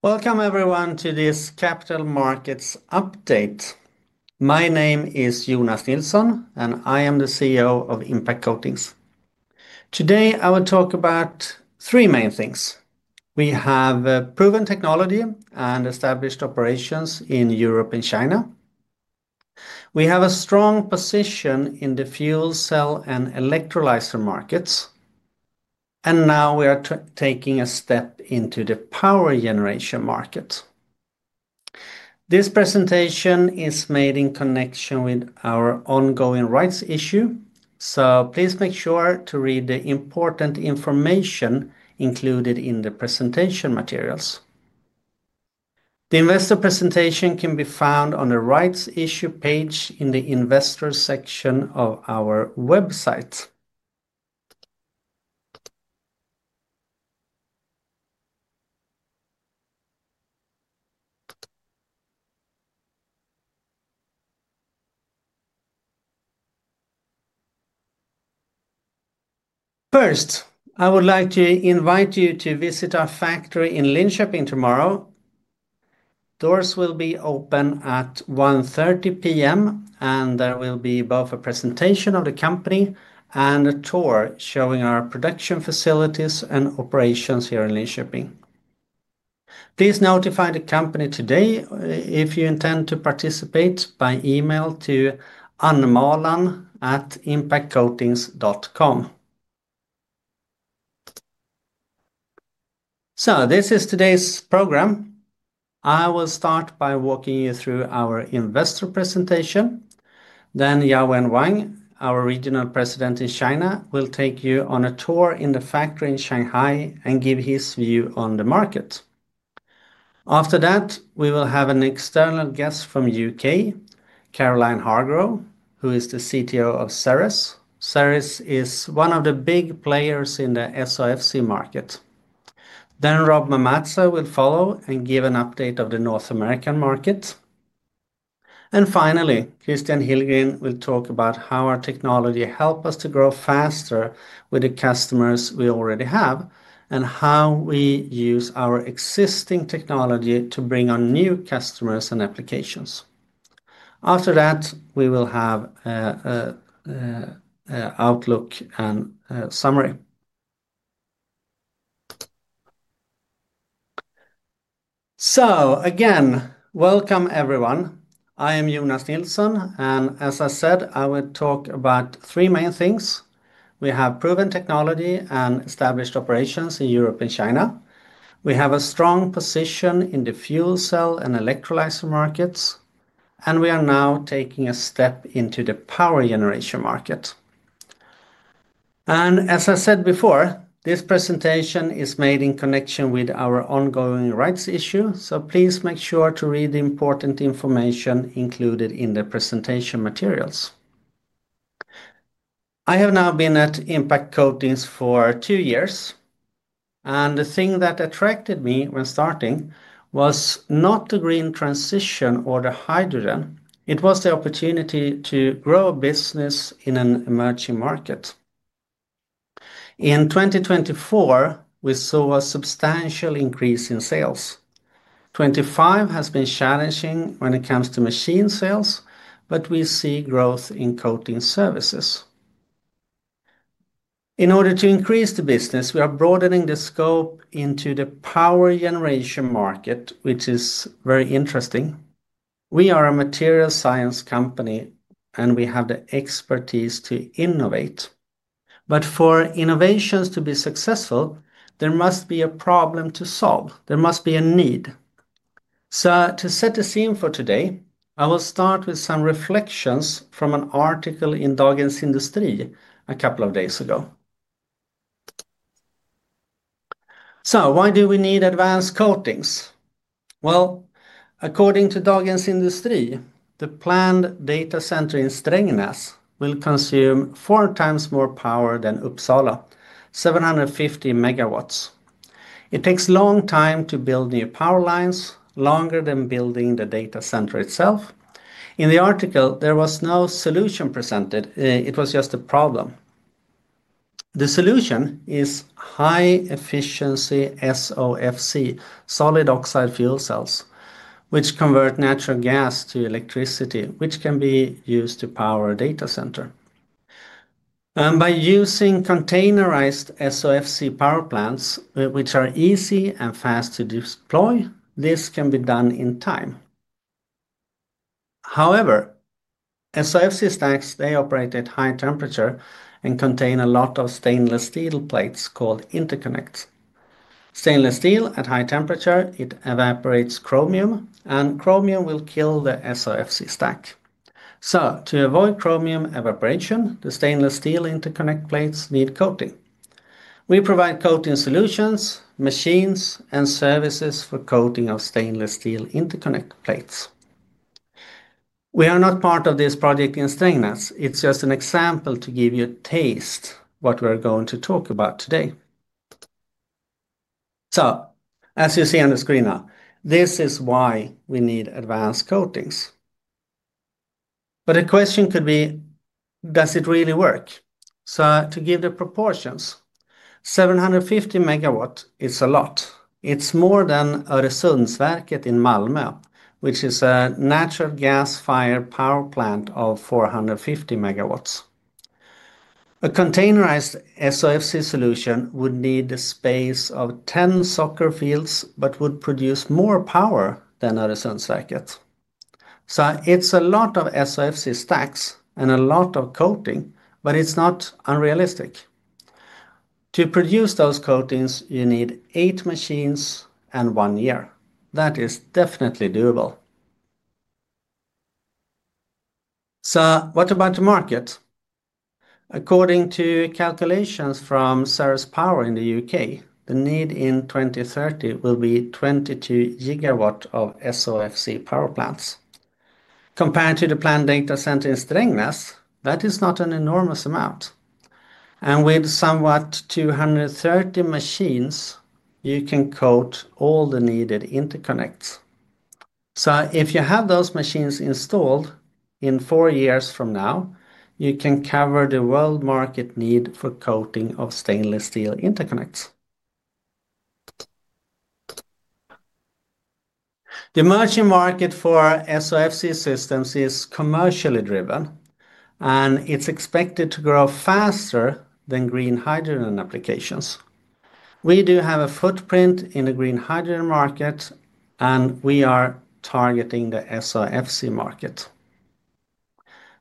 Welcome, everyone, to this Capital Markets Update. My name is Jonas Nilsson, and I am the CEO of Impact Coatings. Today, I will talk about three main things. We have proven technology and established operations in Europe and China. We have a strong position in the fuel cell and electrolyzer markets, and now we are taking a step into the power generation market. This presentation is made in connection with our ongoing rights issue, so please make sure to read the important information included in the presentation materials. The investor presentation can be found on the rights issue page in the investor section of our website. First, I would like to invite you to visit our factory in Linköping tomorrow. Doors will be open at 1:30 P.M., and there will be both a presentation of the company and a tour showing our production facilities and operations here in Linköping. Please notify the company today if you intend to participate by email to anmalan@impactcoatings.com. This is today's program. I will start by walking you through our investor presentation. Then, Yaowen Wang, our Regional President in China, will take you on a tour in the factory in Shanghai and give his view on the market. After that, we will have an external guest from the U.K., Caroline Hargrove, who is the CTO of Ceres. Ceres is one of the big players in the SOFC market. After that, Robert Mamazza will follow and give an update of the North American market. Finally, Kristian Hillgren will talk about how our technology helps us to grow faster with the customers we already have and how we use our existing technology to bring on new customers and applications. After that, we will have an outlook and summary. Again, welcome, everyone. I am Jonas Nilsson, and as I said, I will talk about three main things. We have proven technology and established operations in Europe and China. We have a strong position in the fuel cell and electrolyzer markets, and we are now taking a step into the power generation market. As I said before, this presentation is made in connection with our ongoing rights issue, so please make sure to read the important information included in the presentation materials. I have now been at Impact Coatings for two years, and the thing that attracted me when starting was not the green transition or the hydrogen; it was the opportunity to grow a business in an emerging market. In 2024, we saw a substantial increase in sales. 2025 has been challenging when it comes to machine sales, but we see growth in coating services. In order to increase the business, we are broadening the scope into the power generation market, which is very interesting. We are a material science company, and we have the expertise to innovate. For innovations to be successful, there must be a problem to solve. There must be a need. To set the scene for today, I will start with some reflections from an article in Dagens Industri a couple of days ago. Why do we need advanced coatings? According to Dagens Industri, the planned data center in Strängnäs will consume four times more power than Uppsala, 750 MW. It takes a long time to build new power lines, longer than building the data center itself. In the article, there was no solution presented, it was just a problem. The solution is high-efficiency SOFC, solid oxide fuel cells, which convert natural gas to electricity, which can be used to power a data center. By using containerized SOFC power plants, which are easy and fast to deploy, this can be done in time. However, SOFC stacks, they operate at high temperature and contain a lot of stainless steel plates called interconnects. Stainless steel, at high temperature, it evaporates chromium, and chromium will kill the SOFC stack. To avoid chromium evaporation, the stainless steel interconnect plates need coating. We provide coating solutions, machines, and services for coating of stainless steel interconnect plates. We are not part of this project in Strängnäs; it's just an example to give you a taste of what we're going to talk about today. As you see on the screen now, this is why we need advanced coatings. A question could be, does it really work? To give the proportions, 750 MW is a lot. It is more than Öresundsverket in Malmö, which is a natural gas-fired power plant of 450 MW. A containerized SOFC solution would need the space of 10 soccer fields but would produce more power than Öresundsverket. It is a lot of SOFC stacks and a lot of coating, but it is not unrealistic. To produce those coatings, you need eight machines and one year. That is definitely doable. What about the market? According to calculations from Ceres Power in the United Kingdom, the need in 2030 will be 22 GW of SOFC power plants. Compared to the planned data center in Strängnäs, that is not an enormous amount. With somewhat 230 machines, you can coat all the needed interconnects. If you have those machines installed in four years from now, you can cover the world market need for coating of stainless steel interconnects. The emerging market for SOFC systems is commercially driven, and it's expected to grow faster than green hydrogen applications. We do have a footprint in the green hydrogen market, and we are targeting the SOFC market.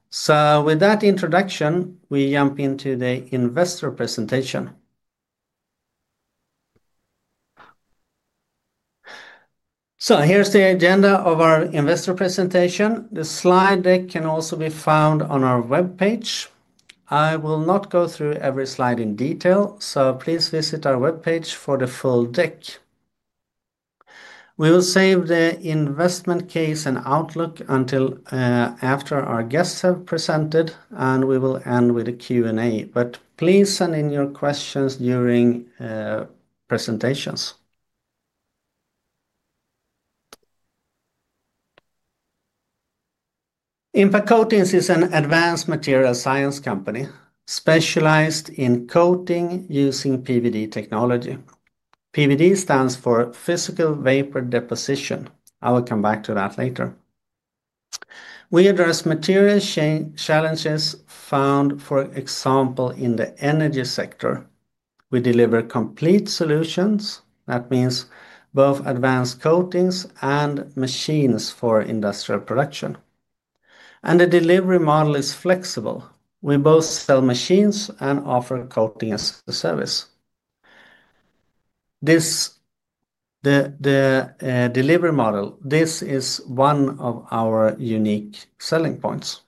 With that introduction, we jump into the investor presentation. Here's the agenda of our investor presentation. The slide deck can also be found on our web page. I will not go through every slide in detail, so please visit our web page for the full deck. We will save the investment case and outlook until after our guests have presented, and we will end with a Q&A, but please send in your questions during presentations. Impact Coatings is an advanced material science company specialized in coating using PVD technology. PVD stands for Physical Vapor Deposition. I will come back to that later. We address material challenges found, for example, in the energy sector. We deliver complete solutions. That means both advanced coatings and machines for industrial production. The delivery model is flexible. We both sell machines and offer coating as a service. This delivery model, this is one of our unique selling points.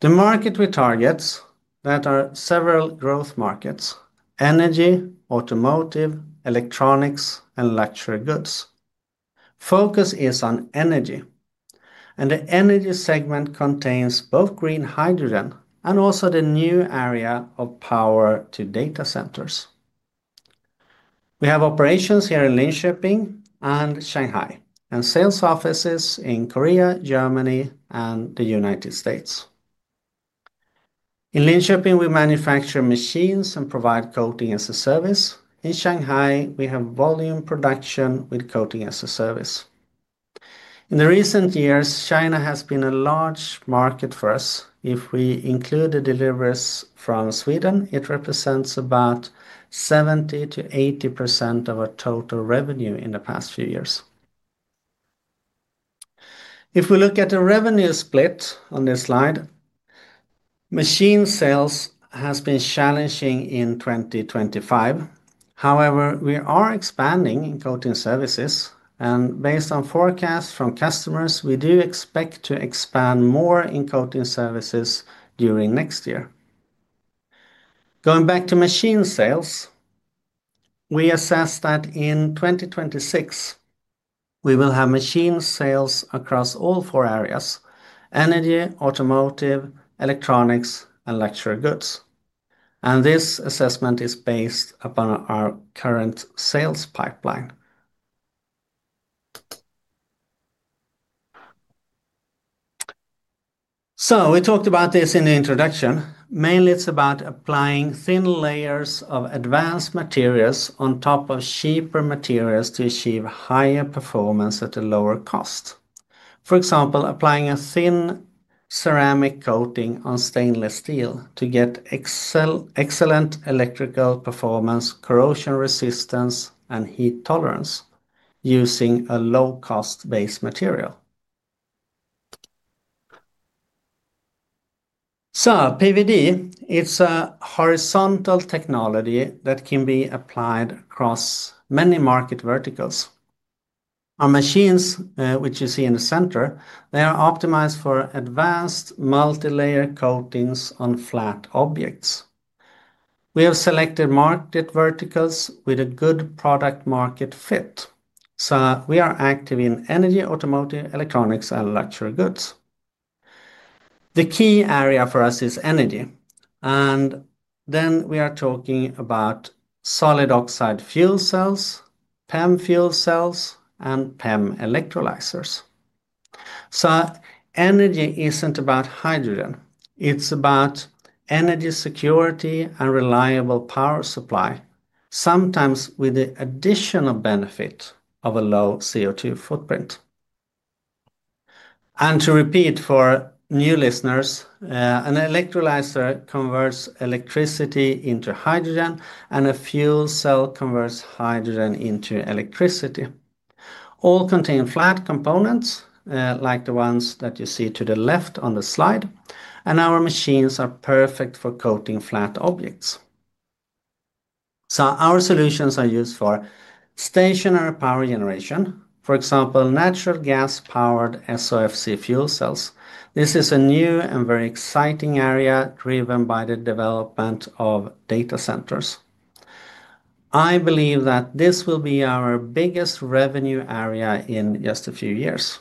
The market we target, that are several growth markets: energy, automotive, electronics, and luxury goods. Focus is on energy, and the energy segment contains both green hydrogen and also the new area of power to data centers. We have operations here in Linköping and Shanghai, and sales offices in Korea, Germany, and the United States. In Linköping, we manufacture machines and provide coating as a service. In Shanghai, we have volume production with coating as a service. In the recent years, China has been a large market for us. If we include the deliveries from Sweden, it represents about 70%-80% of our total revenue in the past few years. If we look at the revenue split on this slide, machine sales has been challenging in 2025. However, we are expanding in coating services, and based on forecasts from customers, we do expect to expand more in coating services during next year. Going back to machine sales, we assess that in 2026, we will have machine sales across all four areas: energy, automotive, electronics, and luxury goods. This assessment is based upon our current sales pipeline. We talked about this in the introduction. Mainly, it's about applying thin layers of advanced materials on top of cheaper materials to achieve higher performance at a lower cost. For example, applying a thin ceramic coating on stainless steel to get excellent electrical performance, corrosion resistance, and heat tolerance using a low-cost base material. PVD, it's a horizontal technology that can be applied across many market verticals. Our machines, which you see in the center, they are optimized for advanced multi-layer coatings on flat objects. We have selected market verticals with a good product-market fit. We are active in energy, automotive, electronics, and luxury goods. The key area for us is energy, and then we are talking about solid oxide fuel cells, PEM fuel cells, and PEM electrolyzers. Energy is not about hydrogen. It's about energy security and reliable power supply, sometimes with the additional benefit of a low CO2 footprint. To repeat for new listeners, an electrolyzer converts electricity into hydrogen, and a fuel cell converts hydrogen into electricity. All contain flat components, like the ones that you see to the left on the slide, and our machines are perfect for coating flat objects. Our solutions are used for stationary power generation, for example, natural gas-powered SOFC fuel cells. This is a new and very exciting area driven by the development of data centers. I believe that this will be our biggest revenue area in just a few years.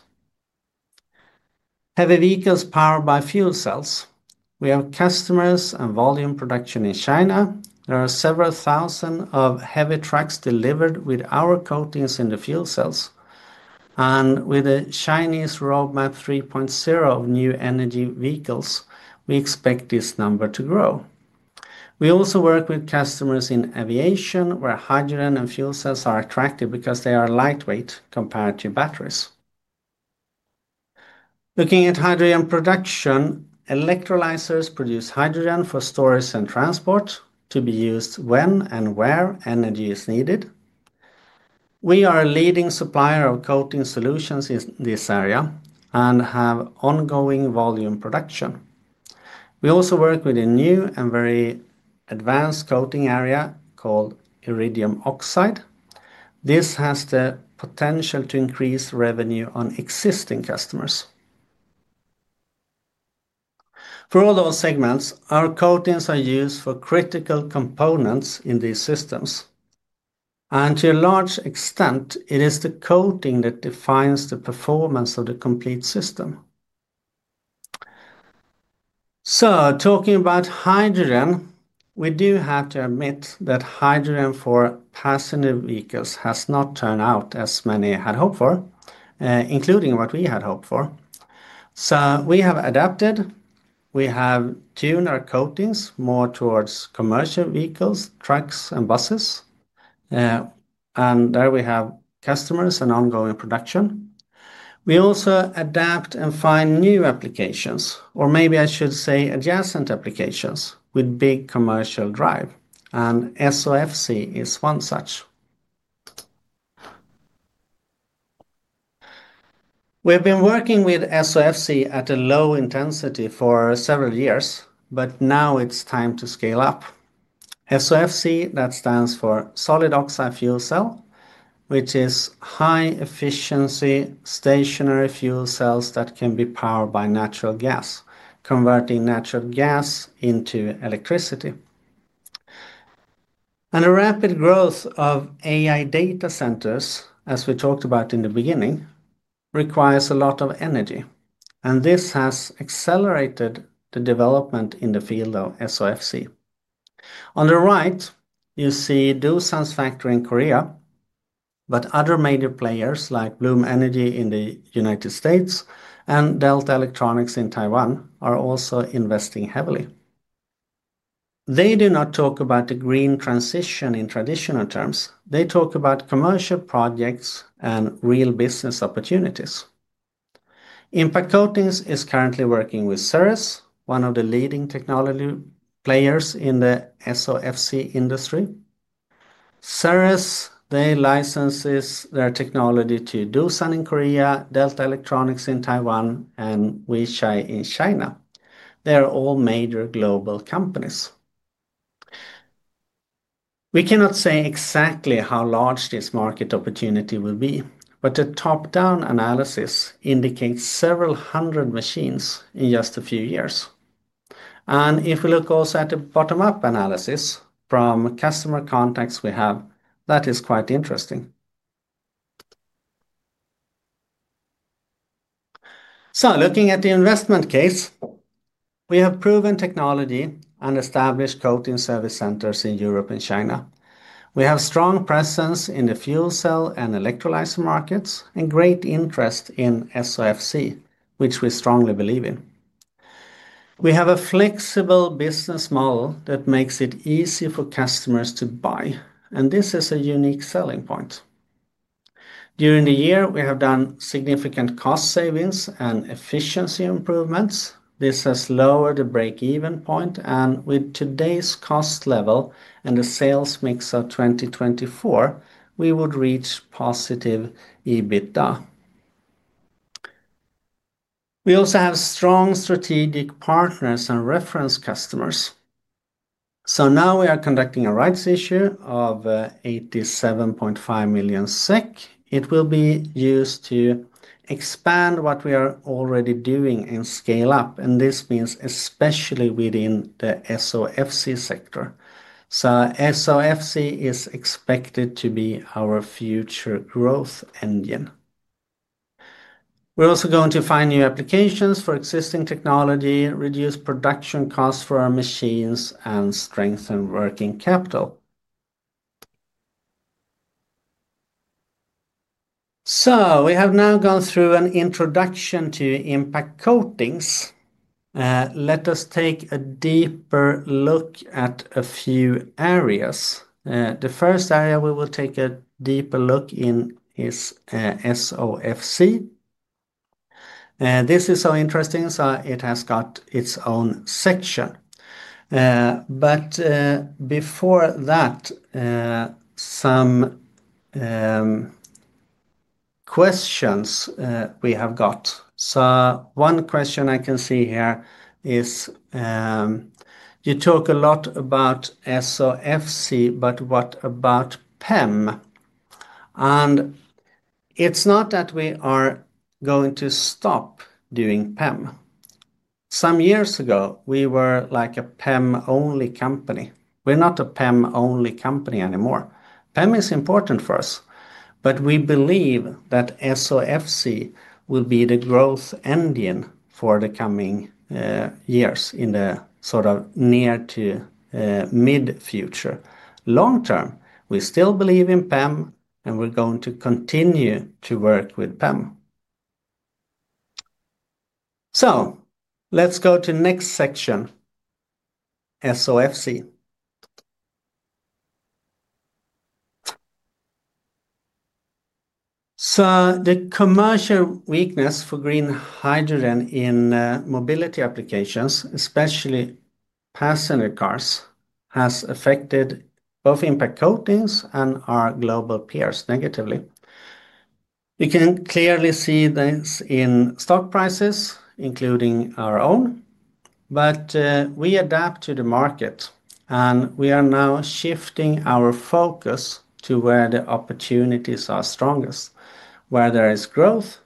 Heavy vehicles powered by fuel cells. We have customers and volume production in China. There are several thousand of heavy trucks delivered with our coatings in the fuel cells. With the Chinese roadmap 3.0 of new energy vehicles, we expect this number to grow. We also work with customers in aviation, where hydrogen and fuel cells are attractive because they are lightweight compared to batteries. Looking at hydrogen production, electrolyzers produce hydrogen for storage and transport to be used when and where energy is needed. We are a leading supplier of coating solutions in this area and have ongoing volume production. We also work with a new and very advanced coating area called iridium oxide. This has the potential to increase revenue on existing customers. For all those segments, our coatings are used for critical components in these systems. To a large extent, it is the coating that defines the performance of the complete system. Talking about hydrogen, we do have to admit that hydrogen for passenger vehicles has not turned out as many had hoped for, including what we had hoped for. We have adapted. We have tuned our coatings more towards commercial vehicles, trucks, and buses. There we have customers and ongoing production. We also adapt and find new applications, or maybe I should say adjacent applications with big commercial drive. SOFC is one such. We've been working with SOFC at a low intensity for several years, but now it's time to scale up. SOFC, that stands for solid oxide fuel cell, which is high-efficiency stationary fuel cells that can be powered by natural gas, converting natural gas into electricity. The rapid growth of AI data centers, as we talked about in the beginning, requires a lot of energy. This has accelerated the development in the field of SOFC. On the right, you see Doosan's factory in Korea, but other major players like Bloom Energy in the United States and Delta Electronics in Taiwan are also investing heavily. They do not talk about the green transition in traditional terms. They talk about commercial projects and real business opportunities. Impact Coatings is currently working with Ceres, one of the leading technology players in the SOFC industry. Ceres, they license their technology to Doosan in Korea, Delta Electronics in Taiwan, and Weichai in China. They are all major global companies. We cannot say exactly how large this market opportunity will be, but the top-down analysis indicates several hundred machines in just a few years. If we look also at the bottom-up analysis from customer contacts we have, that is quite interesting. Looking at the investment case, we have proven technology and established coating service centers in Europe and China. We have a strong presence in the fuel cell and electrolyzer markets and great interest in SOFC, which we strongly believe in. We have a flexible business model that makes it easy for customers to buy, and this is a unique selling point. During the year, we have done significant cost savings and efficiency improvements. This has lowered the break-even point, and with today's cost level and the sales mix of 2024, we would reach positive EBITDA. We also have strong strategic partners and reference customers. We are conducting a rights issue of 87.5 million SEK. It will be used to expand what we are already doing and scale up, and this means especially within the SOFC sector. SOFC is expected to be our future growth engine. We are also going to find new applications for existing technology, reduce production costs for our machines, and strengthen working capital. We have now gone through an introduction to Impact Coatings. Let us take a deeper look at a few areas. The first area we will take a deeper look in is SOFC. This is so interesting, so it has got its own section. Before that, some questions we have got. One question I can see here is, you talk a lot about SOFC, but what about PEM? It's not that we are going to stop doing PEM. Some years ago, we were like a PEM-only company. We're not a PEM-only company anymore. PEM is important for us, but we believe that SOFC will be the growth engine for the coming years in the sort of near to mid-future. Long term, we still believe in PEM, and we're going to continue to work with PEM. Let's go to the next section, SOFC. The commercial weakness for green hydrogen in mobility applications, especially passenger cars, has affected both Impact Coatings and our global peers negatively. You can clearly see this in stock prices, including our own, but we adapt to the market, and we are now shifting our focus to where the opportunities are strongest, where there is growth,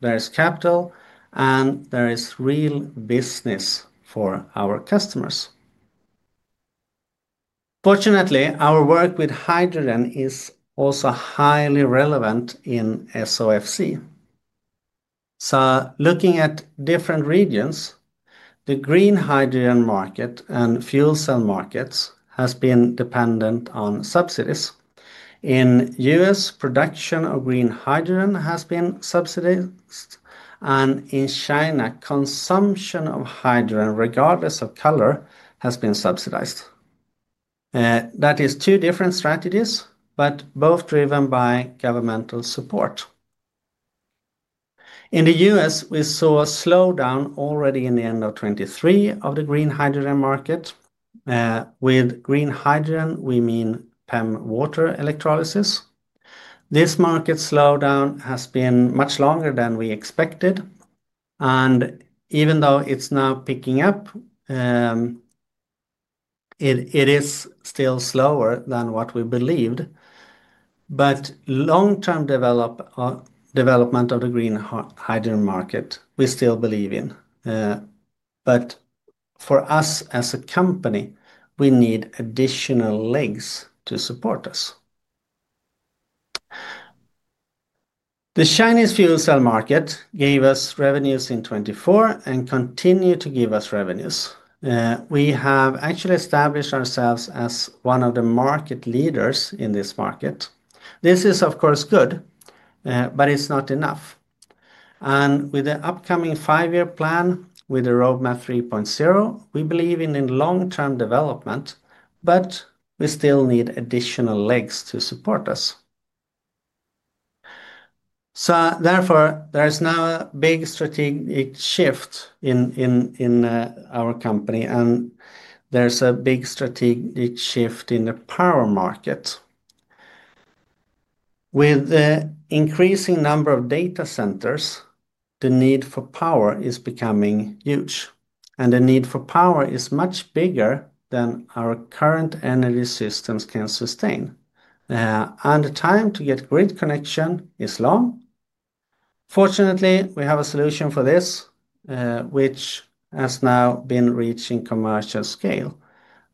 there is capital, and there is real business for our customers. Fortunately, our work with hydrogen is also highly relevant in SOFC. Looking at different regions, the green hydrogen market and fuel cell markets have been dependent on subsidies. In the U.S., production of green hydrogen has been subsidized, and in China, consumption of hydrogen, regardless of color, has been subsidized. That is two different strategies, but both driven by governmental support. In the U.S., we saw a slowdown already in the end of 2023 of the green hydrogen market. With green hydrogen, we mean PEM water electrolysis. This market slowdown has been much longer than we expected, and even though it is now picking up, it is still slower than what we believed. The long-term development of the green hydrogen market, we still believe in. For us as a company, we need additional legs to support us. The Chinese fuel cell market gave us revenues in 2024 and continues to give us revenues. We have actually established ourselves as one of the market leaders in this market. This is, of course, good, but it is not enough. With the upcoming five-year plan, with the roadmap 3.0, we believe in long-term development, but we still need additional legs to support us. Therefore, there is now a big strategic shift in our company, and there is a big strategic shift in the power market. With the increasing number of data centers, the need for power is becoming huge, and the need for power is much bigger than our current energy systems can sustain. The time to get grid connection is long. Fortunately, we have a solution for this, which has now been reaching commercial scale.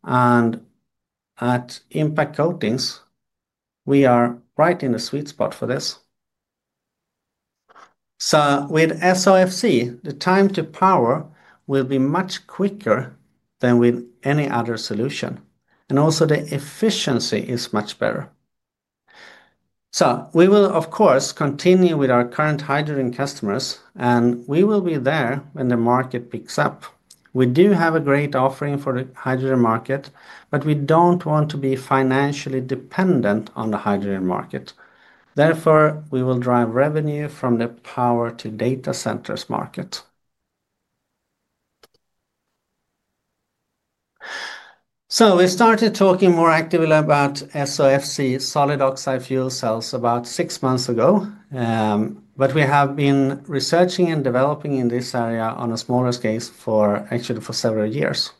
At Impact Coatings, we are right in the sweet spot for this. With SOFC, the time to power will be much quicker than with any other solution, and also the efficiency is much better. We will, of course, continue with our current hydrogen customers, and we will be there when the market picks up. We do have a great offering for the hydrogen market, but we do not want to be financially dependent on the hydrogen market. Therefore, we will drive revenue from the power-to-data centers market. We started talking more actively about SOFC solid oxide fuel cells about six months ago, but we have been researching and developing in this area on a smaller scale for actually for several years.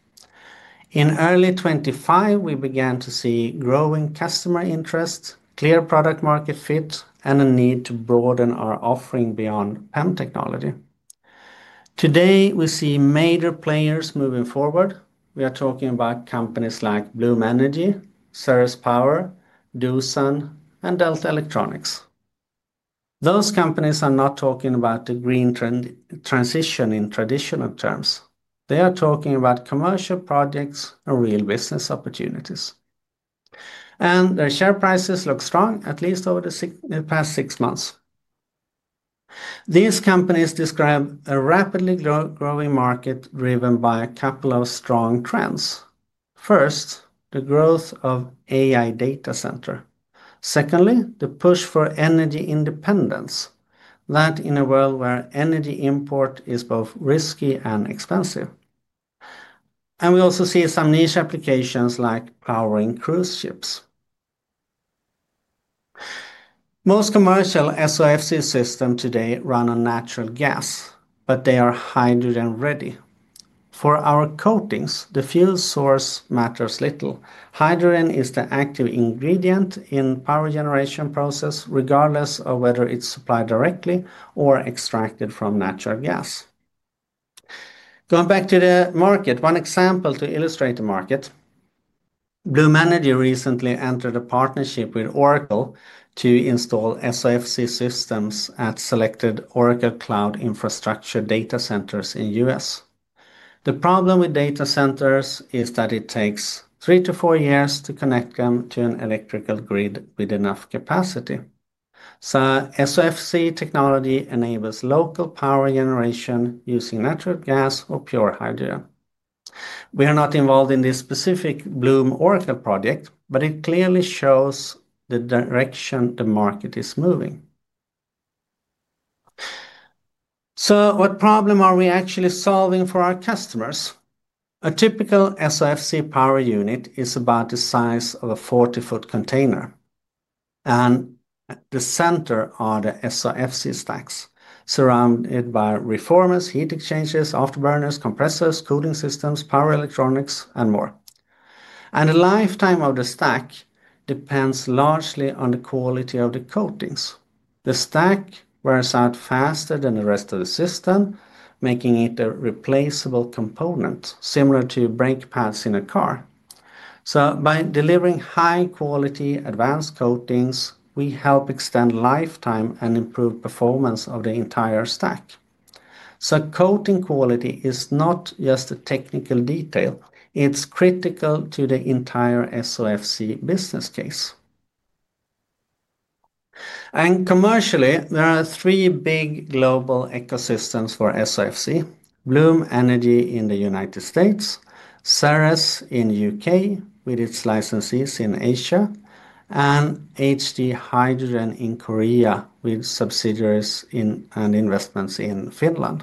In early 2025, we began to see growing customer interest, clear product-market fit, and a need to broaden our offering beyond PEM technology. Today, we see major players moving forward. We are talking about companies like Bloom Energy, Ceres Power, Doosan, and Delta Electronics. Those companies are not talking about the green transition in traditional terms. They are talking about commercial projects and real business opportunities. Their share prices look strong, at least over the past six months. These companies describe a rapidly growing market driven by a couple of strong trends. First, the growth of AI data centers. Secondly, the push for energy independence, that in a world where energy import is both risky and expensive. We also see some niche applications like powering cruise ships. Most commercial SOFC systems today run on natural gas, but they are hydrogen-ready. For our coatings, the fuel source matters little. Hydrogen is the active ingredient in the power generation process, regardless of whether it's supplied directly or extracted from natural gas. Going back to the market, one example to illustrate the market: Bloom Energy recently entered a partnership with Oracle to install SOFC systems at selected Oracle Cloud Infrastructure data centers in the U.S. The problem with data centers is that it takes three to four years to connect them to an electrical grid with enough capacity. SOFC technology enables local power generation using natural gas or pure hydrogen. We are not involved in this specific Bloom-Oracle project, but it clearly shows the direction the market is moving. What problem are we actually solving for our customers? A typical SOFC power unit is about the size of a 40 ft container, and the center are the SOFC stacks, surrounded by reformers, heat exchangers, afterburners, compressors, cooling systems, power electronics, and more. The lifetime of the stack depends largely on the quality of the coatings. The stack wears out faster than the rest of the system, making it a replaceable component, similar to brake pads in a car. By delivering high-quality advanced coatings, we help extend lifetime and improve performance of the entire stack. Coating quality is not just a technical detail; it is critical to the entire SOFC business case. Commercially, there are three big global ecosystems for SOFC: Bloom Energy in the United States, Ceres in the U.K. with its licenses in Asia, and HD Hydrogen in Korea with subsidiaries and investments in Finland.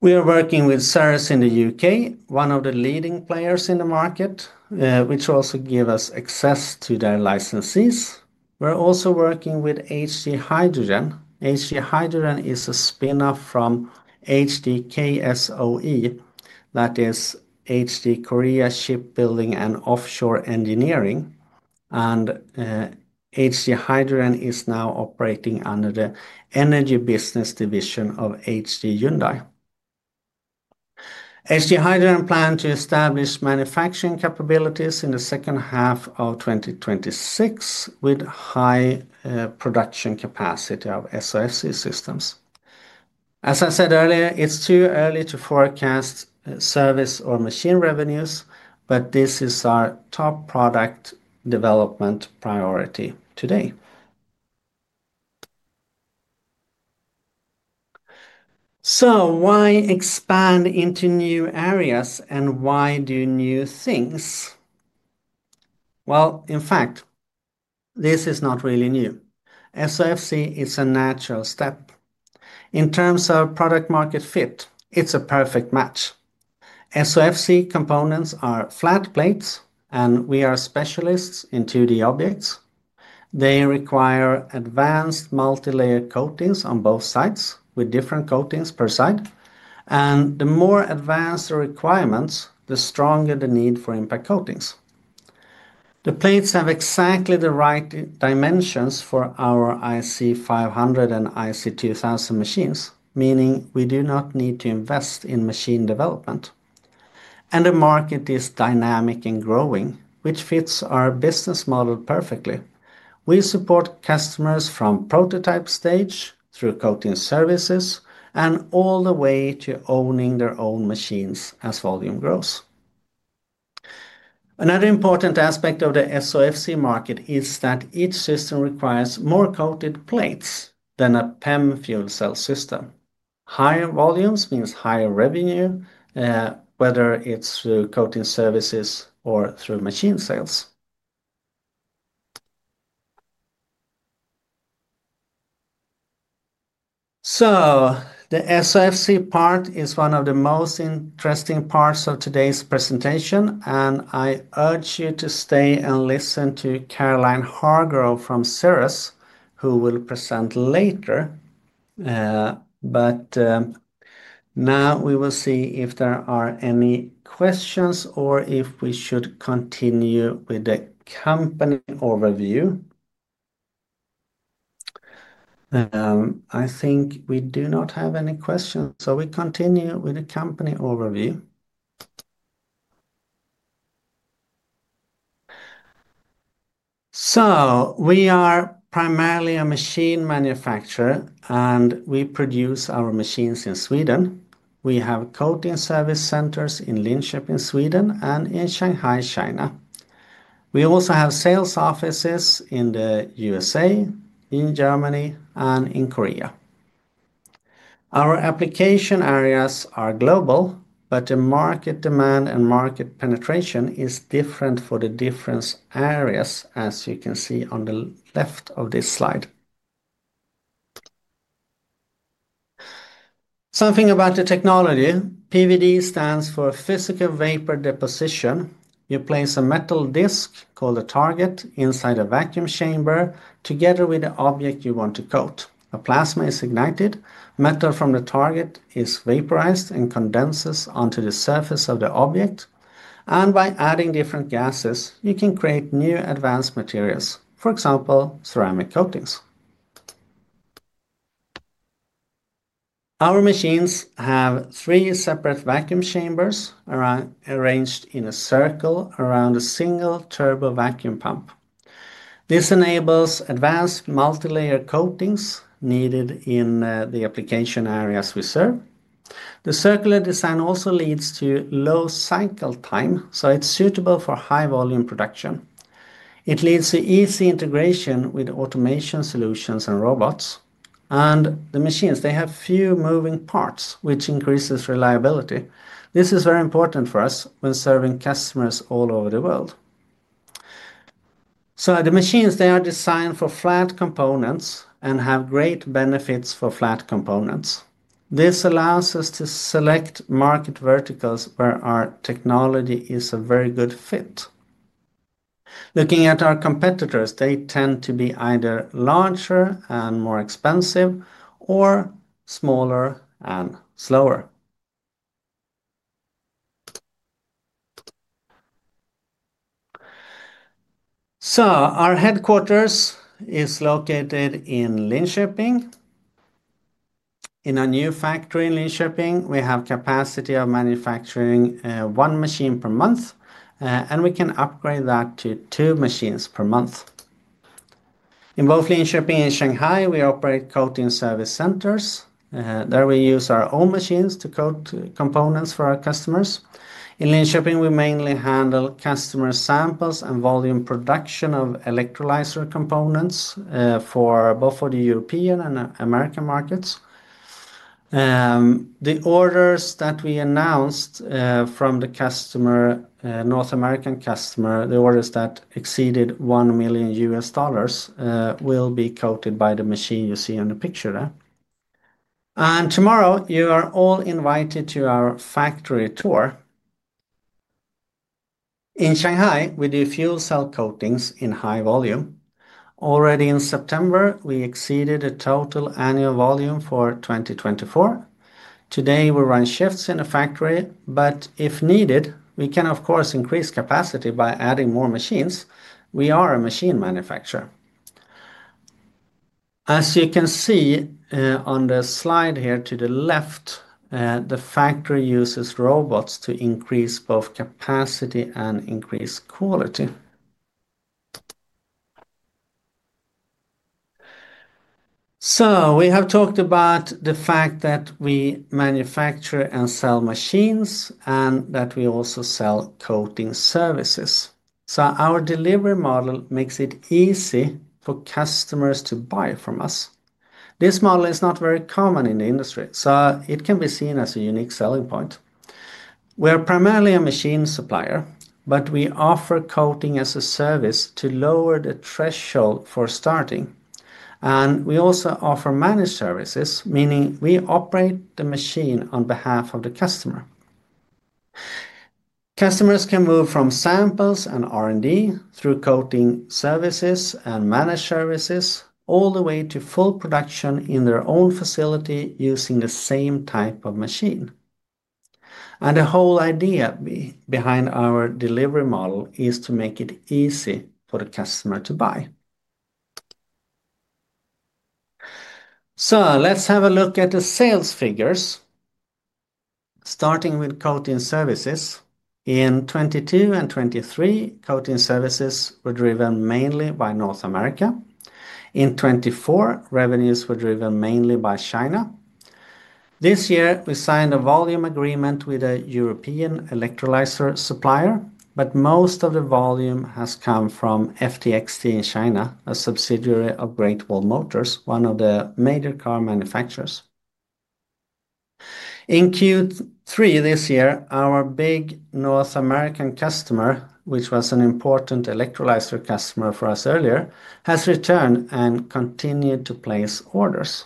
We are working with Ceres in the U.K., one of the leading players in the market, which also gives us access to their licenses. We're also working with HD Hydrogen. HD Hydrogen is a spinoff from HD Korea Shipbuilding and Offshore Engineering. HD Hydrogen is now operating under the energy business division of HD Hyundai. HD Hydrogen plans to establish manufacturing capabilities in the second half of 2026 with high production capacity of SOFC systems. As I said earlier, it's too early to forecast service or machine revenues, but this is our top product development priority today. Why expand into new areas and why do new things? In fact, this is not really new. SOFC is a natural step. In terms of product-market fit, it's a perfect match. SOFC components are flat plates, and we are specialists in 2D objects. They require advanced multi-layer coatings on both sides with different coatings per side. The more advanced the requirements, the stronger the need for Impact Coatings. The plates have exactly the right dimensions for our IC500 and IC2000 machines, meaning we do not need to invest in machine development. The market is dynamic and growing, which fits our business model perfectly. We support customers from prototype stage through coating services and all the way to owning their own machines as volume grows. Another important aspect of the SOFC market is that each system requires more coated plates than a PEM fuel cell system. Higher volumes mean higher revenue, whether it's through coating services or through machine sales. The SOFC part is one of the most interesting parts of today's presentation, and I urge you to stay and listen to Caroline Hargrove from Ceres, who will present later. Now we will see if there are any questions or if we should continue with the company overview. I think we do not have any questions, so we continue with the company overview. We are primarily a machine manufacturer, and we produce our machines in Sweden. We have coating service centers in Linköping, Sweden, and in Shanghai, China. We also have sales offices in the U.S.A., in Germany, and in Korea. Our application areas are global, but the market demand and market penetration is different for the different areas, as you can see on the left of this slide. Something about the technology: PVD stands for Physical Vapor Deposition. You place a metal disc called a target inside a vacuum chamber together with the object you want to coat. A plasma is ignited, metal from the target is vaporized and condenses onto the surface of the object. By adding different gases, you can create new advanced materials, for example, ceramic coatings. Our machines have three separate vacuum chambers arranged in a circle around a single turbo vacuum pump. This enables advanced multi-layer coatings needed in the application areas we serve. The circular design also leads to low cycle time, so it's suitable for high-volume production. It leads to easy integration with automation solutions and robots. The machines, they have few moving parts, which increases reliability. This is very important for us when serving customers all over the world. The machines, they are designed for flat components and have great benefits for flat components. This allows us to select market verticals where our technology is a very good fit. Looking at our competitors, they tend to be either larger and more expensive or smaller and slower. Our headquarters is located in Linköping. In our new factory in Linköping, we have capacity of manufacturing one machine per month, and we can upgrade that to two machines per month. In both Linköping and Shanghai, we operate coating service centers. There we use our own machines to coat components for our customers. In Linköping, we mainly handle customer samples and volume production of electrolyzer components for both the European and American markets. The orders that we announced from the customer, North American customer, the orders that exceeded $1 million will be coated by the machine you see on the picture there. Tomorrow, you are all invited to our factory tour. In Shanghai, we do fuel cell coatings in high volume. Already in September, we exceeded the total annual volume for 2024. Today, we run shifts in the factory, but if needed, we can, of course, increase capacity by adding more machines. We are a machine manufacturer. As you can see on the slide here to the left, the factory uses robots to increase both capacity and increase quality. We have talked about the fact that we manufacture and sell machines and that we also sell coating services. Our delivery model makes it easy for customers to buy from us. This model is not very common in the industry, so it can be seen as a unique selling point. We are primarily a machine supplier, but we offer coating as a service to lower the threshold for starting. We also offer managed services, meaning we operate the machine on behalf of the customer. Customers can move from samples and R&D through coating services and managed services all the way to full production in their own facility using the same type of machine. The whole idea behind our delivery model is to make it easy for the customer to buy. Let's have a look at the sales figures. Starting with coating services, in 2022 and 2023, coating services were driven mainly by North America. In 2024, revenues were driven mainly by China. This year, we signed a volume agreement with a European electrolyzer supplier, but most of the volume has come from FTXT in China, a subsidiary of Great Wall Motors, one of the major car manufacturers. In Q3 this year, our big North American customer, which was an important electrolyzer customer for us earlier, has returned and continued to place orders.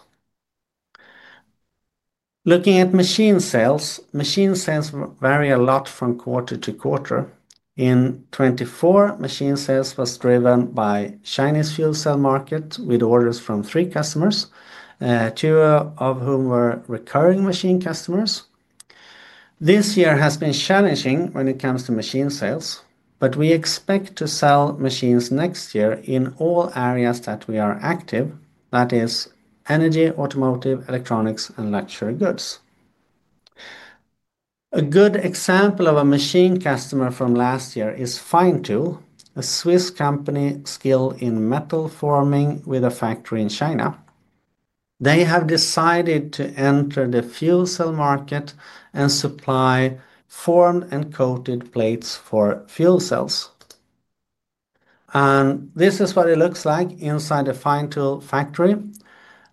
Looking at machine sales, machine sales vary a lot from quarter-to-quarter. In 2024, machine sales were driven by the Chinese fuel cell market with orders from three customers, two of whom were recurring machine customers. This year has been challenging when it comes to machine sales, but we expect to sell machines next year in all areas that we are active, that is energy, automotive, electronics, and luxury goods. A good example of a machine customer from last year is Fine Tool, a Swiss company skilled in metal forming with a factory in China. They have decided to enter the fuel cell market and supply formed and coated plates for fuel cells. This is what it looks like inside the Fine Tool factory.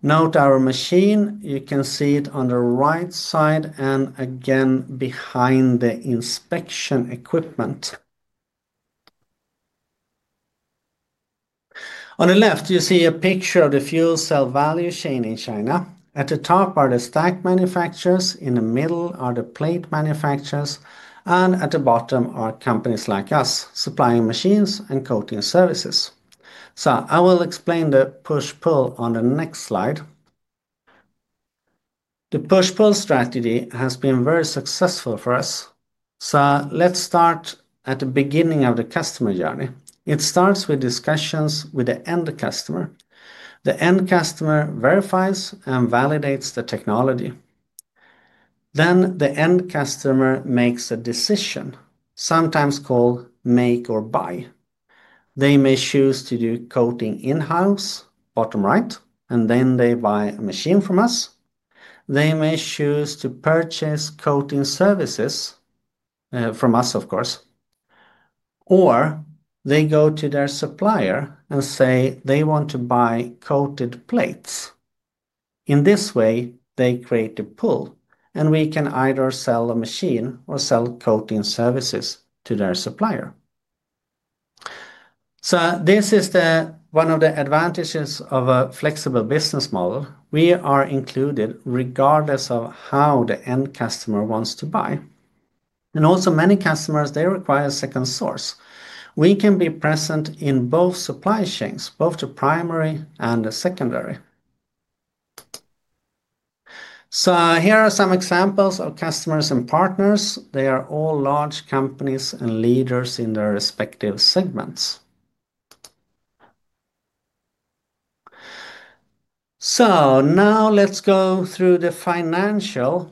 Note our machine; you can see it on the right side and again behind the inspection equipment. On the left, you see a picture of the fuel cell value chain in China. At the top are the stack manufacturers, in the middle are the plate manufacturers, and at the bottom are companies like us supplying machines and coating services. I will explain the push-pull on the next slide. The push-pull strategy has been very successful for us. Let's start at the beginning of the customer journey. It starts with discussions with the end customer. The end customer verifies and validates the technology. Then the end customer makes a decision, sometimes called make or buy. They may choose to do coating in-house, bottom right, and then they buy a machine from us. They may choose to purchase coating services from us, of course. They go to their supplier and say they want to buy coated plates. In this way, they create a pull, and we can either sell a machine or sell coating services to their supplier. This is one of the advantages of a flexible business model. We are included regardless of how the end customer wants to buy. Also, many customers require a second source. We can be present in both supply chains, both the primary and the secondary. Here are some examples of customers and partners. They are all large companies and leaders in their respective segments. Now let's go through the financial.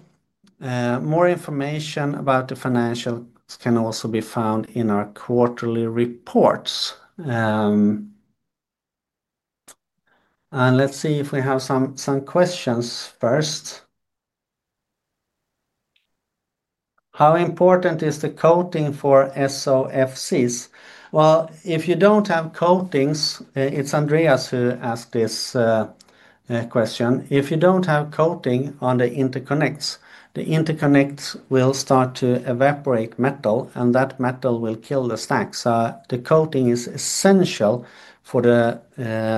More information about the financials can also be found in our quarterly reports. Let's see if we have some questions first. How important is the coating for SOFCs? If you do not have coatings, it's Andreas who asked this question. If you do not have coating on the interconnects, the interconnects will start to evaporate metal, and that metal will kill the stack. The coating is essential for the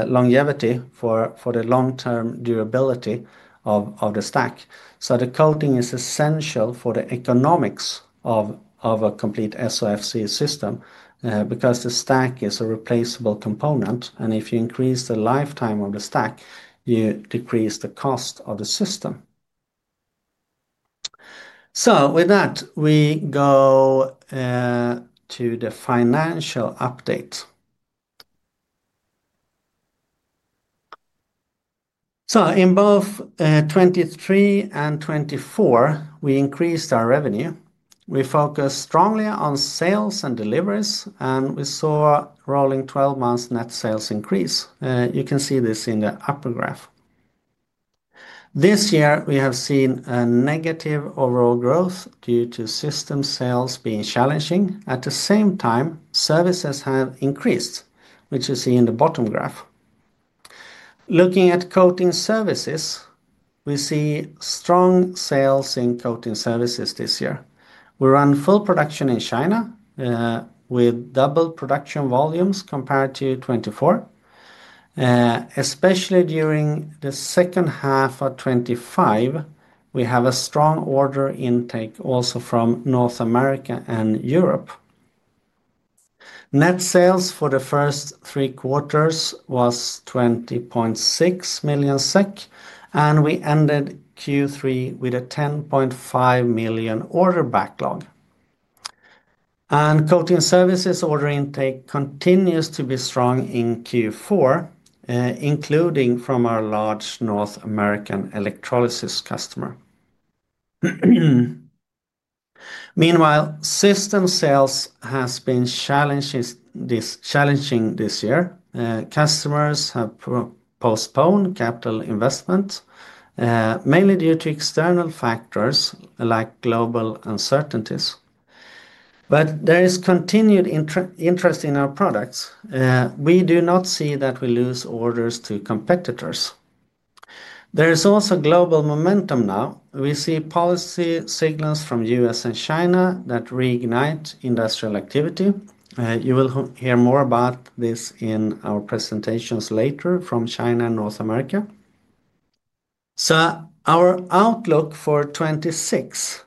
longevity, for the long-term durability of the stack. The coating is essential for the economics of a complete SOFC system because the stack is a replaceable component. If you increase the lifetime of the stack, you decrease the cost of the system. With that, we go to the financial update. In both 2023 and 2024, we increased our revenue. We focused strongly on sales and deliveries, and we saw rolling 12-month net sales increase. You can see this in the upper graph. This year, we have seen a negative overall growth due to system sales being challenging. At the same time, services have increased, which you see in the bottom graph. Looking at coating services, we see strong sales in coating services this year. We run full production in China with double production volumes compared to 2024. Especially during the second half of 2025, we have a strong order intake also from North America and Europe. Net sales for the first three quarters was 20.6 million SEK, and we ended Q3 with a 10.5 million order backlog. Coating services order intake continues to be strong in Q4, including from our large North American electrolysis customer. Meanwhile, system sales have been challenging this year. Customers have postponed capital investment, mainly due to external factors like global uncertainties. There is continued interest in our products. We do not see that we lose orders to competitors. There is also global momentum now. We see policy signals from the U.S. and China that reignite industrial activity. You will hear more about this in our presentations later from China and North America. Our outlook for 2026 is that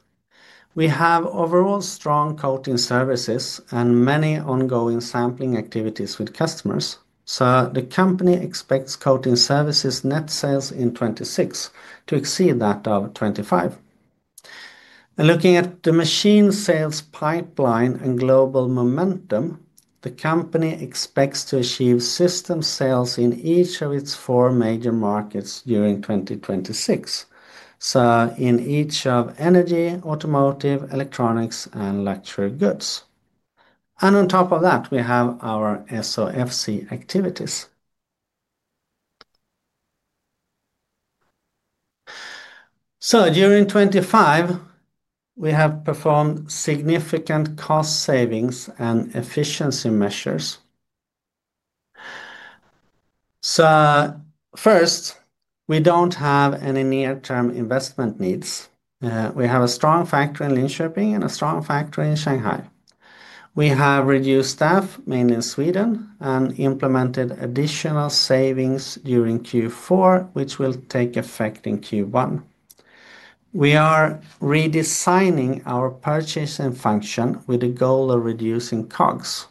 we have overall strong coating services and many ongoing sampling activities with customers. The company expects coating services net sales in 2026 to exceed that of 2025. Looking at the machine sales pipeline and global momentum, the company expects to achieve system sales in each of its four major markets during 2026, in each of energy, automotive, electronics, and luxury goods. On top of that, we have our SOFC activities. During 2025, we have performed significant cost savings and efficiency measures. First, we do not have any near-term investment needs. We have a strong factory in Linköping and a strong factory in Shanghai. We have reduced staff mainly in Sweden and implemented additional savings during Q4, which will take effect in Q1. We are redesigning our purchasing function with the goal of reducing COGS.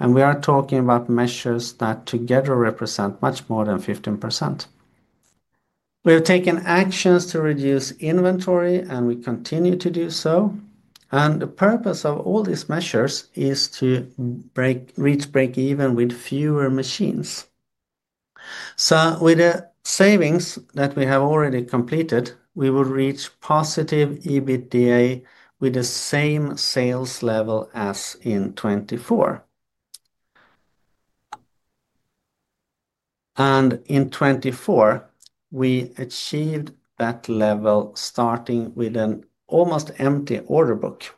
We are talking about measures that together represent much more than 15%. We have taken actions to reduce inventory, and we continue to do so. The purpose of all these measures is to reach break-even with fewer machines. With the savings that we have already completed, we will reach positive EBITDA with the same sales level as in 2024. In 2024, we achieved that level starting with an almost empty order book.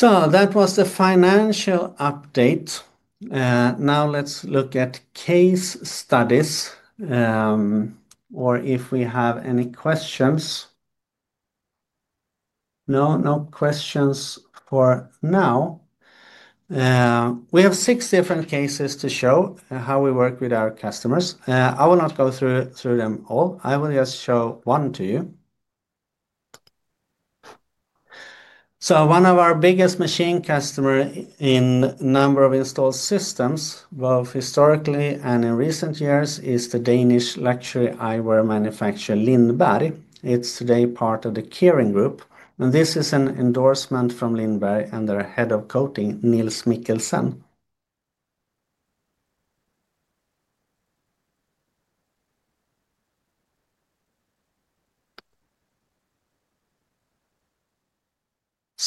That was the financial update. Now let's look at case studies or if we have any questions. No, no questions for now. We have six different cases to show how we work with our customers. I will not go through them all. I will just show one to you. One of our biggest machine customers in the number of installed systems, both historically and in recent years, is the Danish luxury eyewear manufacturer Lindberg. It is today part of the Kering Group. This is an endorsement from Lindberg and their Head of Coating, Niels Mikkelsen.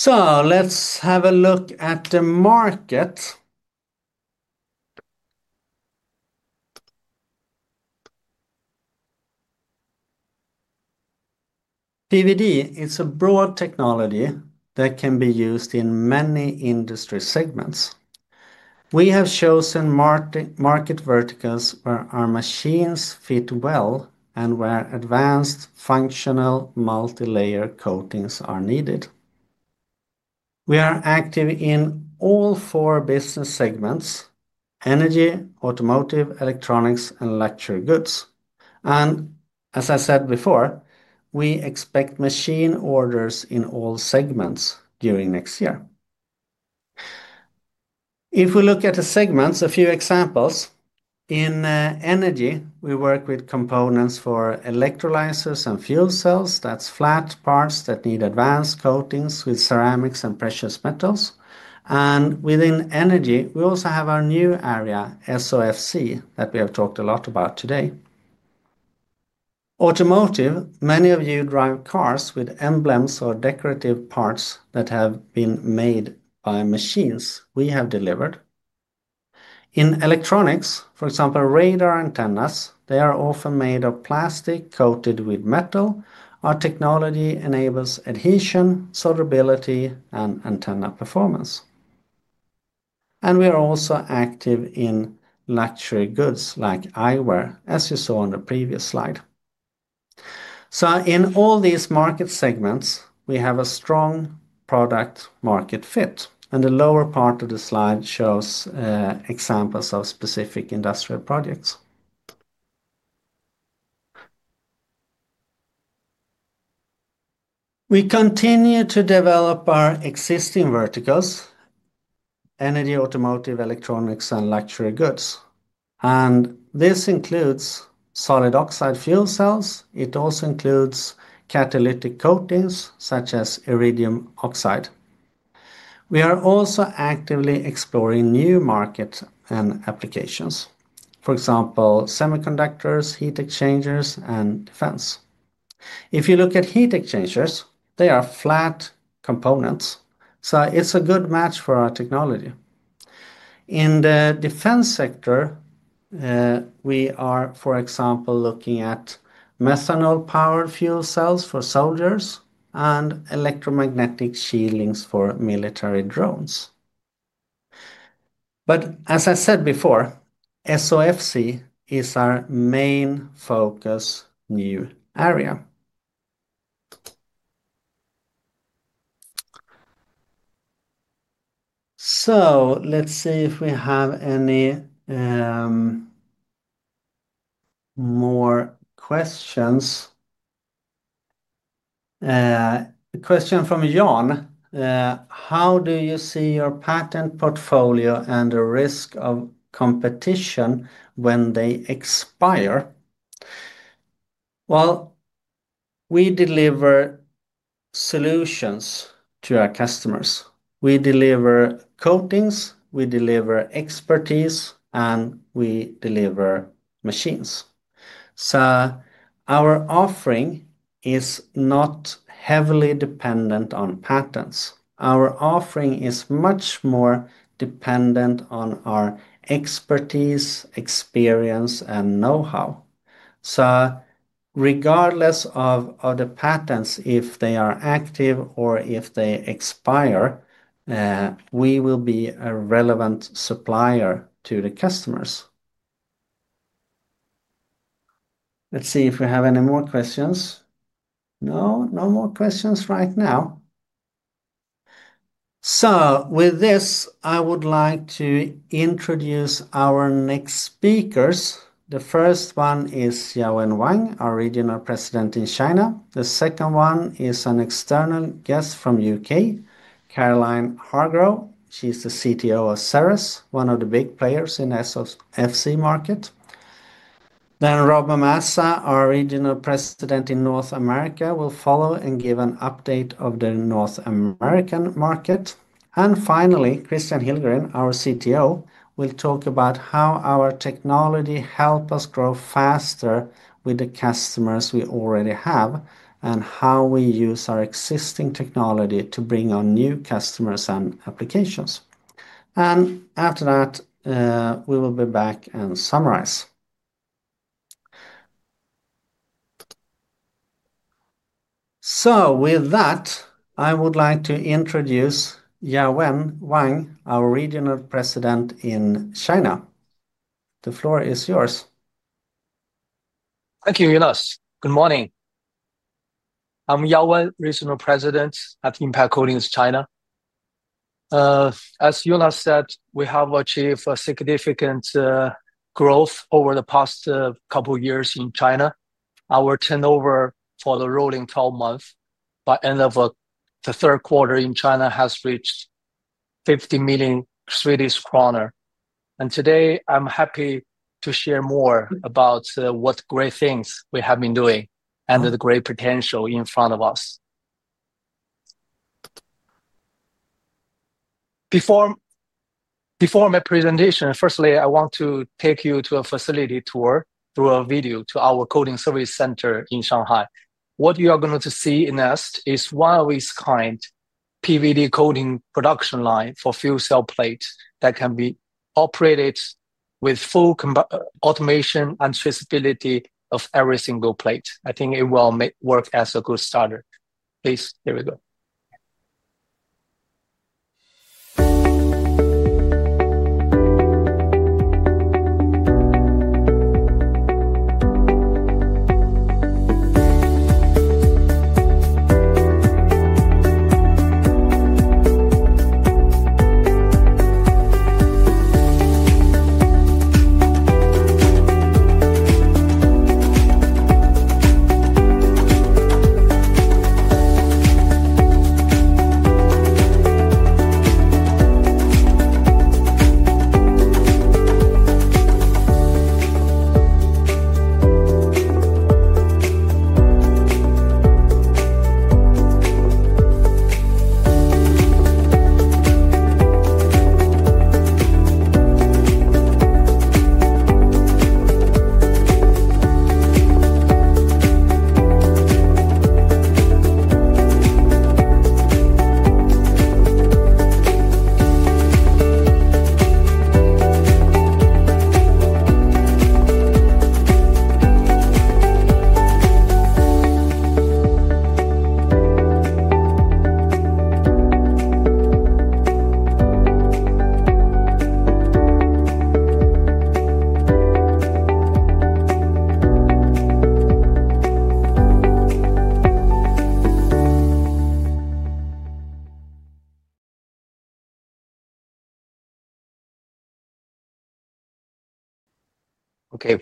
Let's have a look at the market. PVD is a broad technology that can be used in many industry segments. We have chosen market verticals where our machines fit well and where advanced functional multi-layer coatings are needed. We are active in all four business segments: energy, automotive, electronics, and luxury goods. As I said before, we expect machine orders in all segments during next year. If we look at the segments, a few examples. In energy, we work with components for electrolyzers and fuel cells. That's flat parts that need advanced coatings with ceramics and precious metals. Within energy, we also have our new area, SOFC, that we have talked a lot about today. Automotive, many of you drive cars with emblems or decorative parts that have been made by machines we have delivered. In electronics, for example, radar antennas, they are often made of plastic coated with metal. Our technology enables adhesion, solderability, and antenna performance. We are also active in luxury goods like eyewear, as you saw on the previous slide. In all these market segments, we have a strong product market fit. The lower part of the slide shows examples of specific industrial projects. We continue to develop our existing verticals: energy, automotive, electronics, and luxury goods. This includes solid oxide fuel cells. It also includes catalytic coatings such as iridium oxide. We are also actively exploring new markets and applications, for example, semiconductors, heat exchangers, and defense. If you look at heat exchangers, they are flat components. It is a good match for our technology. In the defense sector, we are, for example, looking at methanol-powered fuel cells for soldiers and electromagnetic shieldings for military drones. As I said before, SOFC is our main focus new area. Let's see if we have any more questions. A question from John: How do you see your patent portfolio and the risk of competition when they expire? We deliver solutions to our customers. We deliver coatings, we deliver expertise, and we deliver machines. Our offering is not heavily dependent on patents. Our offering is much more dependent on our expertise, experience, and know-how. Regardless of the patents, if they are active or if they expire, we will be a relevant supplier to the customers. Let's see if we have any more questions. No, no more questions right now. With this, I would like to introduce our next speakers. The first one is Yaowen Wang, our Regional President in China. The second one is an external guest from the United Kingdom, Caroline Hargrove. She is the CTO of Ceres, one of the big players in the SOFC market. Rob Mamazza, our Regional President in North America, will follow and give an update of the North American market. Finally, Kristian Hillgren, our CTO, will talk about how our technology helps us grow faster with the customers we already have and how we use our existing technology to bring on new customers and applications. After that, we will be back and summarize. With that, I would like to introduce Yaowen Wang, our Regional President in China. The floor is yours. Thank you, Jonas. Good morning. I'm Yaowen, Regional President at Impact Coatings China. As Jonas said, we have achieved significant growth over the past couple of years in China. Our turnover for the rolling 12 months by end of the third quarter in China has reached 50 million Swedish kronor. Today, I'm happy to share more about what great things we have been doing and the great potential in front of us. Before my presentation, firstly, I want to take you to a facility tour through a video to our coating service center in Shanghai. What you are going to see next is one of a kind PVD coating production line for fuel cell plates that can be operated with full automation and traceability of every single plate. I think it will work as a good starter. Please, here we go.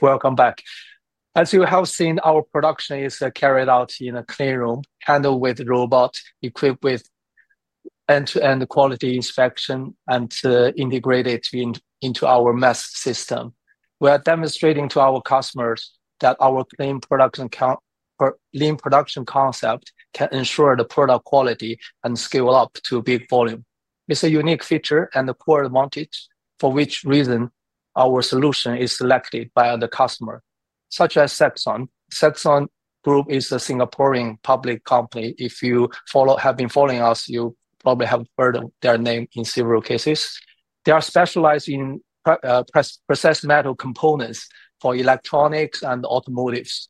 Okay, welcome back. As you have seen, our production is carried out in a clean room, handled with robots, equipped with end-to-end quality inspection, and integrated into our MES system. We are demonstrating to our customers that our clean production concept can ensure the product quality and scale up to big volume. It's a unique feature and a core advantage for which reason our solution is selected by the customer, such as Sexon. Sexon Group is a Singaporean public company. If you have been following us, you probably have heard their name in several cases. They are specialized in process metal components for electronics and automotives.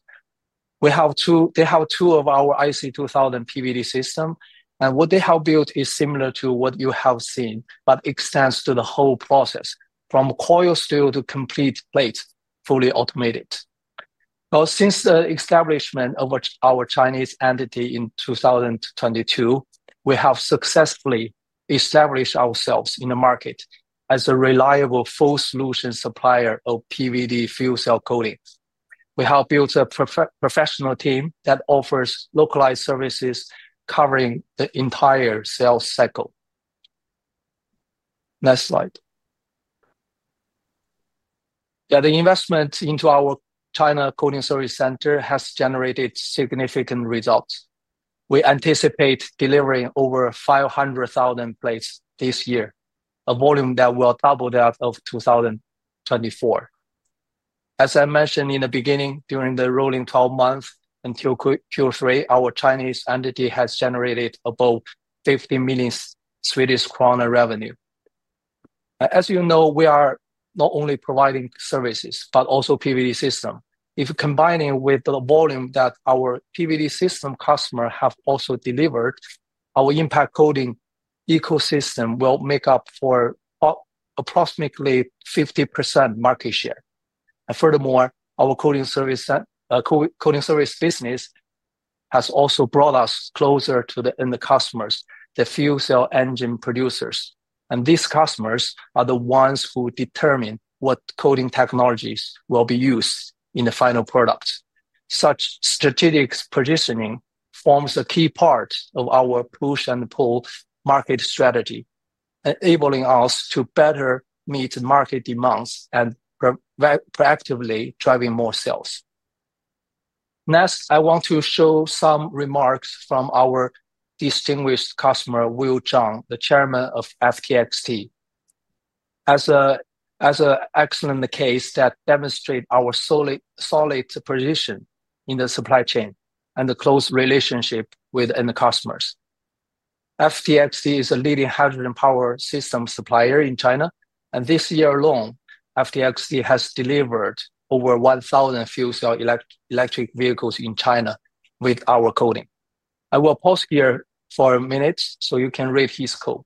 They have two of our IC2000 PVD systems. What they have built is similar to what you have seen, but extends to the whole process, from coil steel to complete plates, fully automated. Since the establishment of our Chinese entity in 2022, we have successfully established ourselves in the market as a reliable full solution supplier of PVD fuel cell coatings. We have built a professional team that offers localized services covering the entire sales cycle. Next slide. Yeah, the investment into our China Coating Service Center has generated significant results. We anticipate delivering over 500,000 plates this year, a volume that will double that of 2024. As I mentioned in the beginning, during the rolling 12 months until Q3, our Chinese entity has generated about 50 million Swedish kronor revenue. As you know, we are not only providing services, but also PVD systems. If combining with the volume that our PVD system customers have also delivered, our Impact Coatings ecosystem will make up for approximately 50% market share. Furthermore, our coating service business has also brought us closer to the end customers, the fuel cell engine producers. These customers are the ones who determine what coating technologies will be used in the final product. Such strategic positioning forms a key part of our push and pull market strategy, enabling us to better meet market demands and proactively driving more sales. Next, I want to show some remarks from our distinguished customer, Will Zhang, the chairman of FTXT, as an excellent case that demonstrates our solid position in the supply chain and the close relationship with end customers. FTXT is a leading hydrogen power system supplier in China. This year alone, FTXT has delivered over 1,000 fuel cell electric vehicles in China with our coating. I will pause here for a minute so you can read his quote.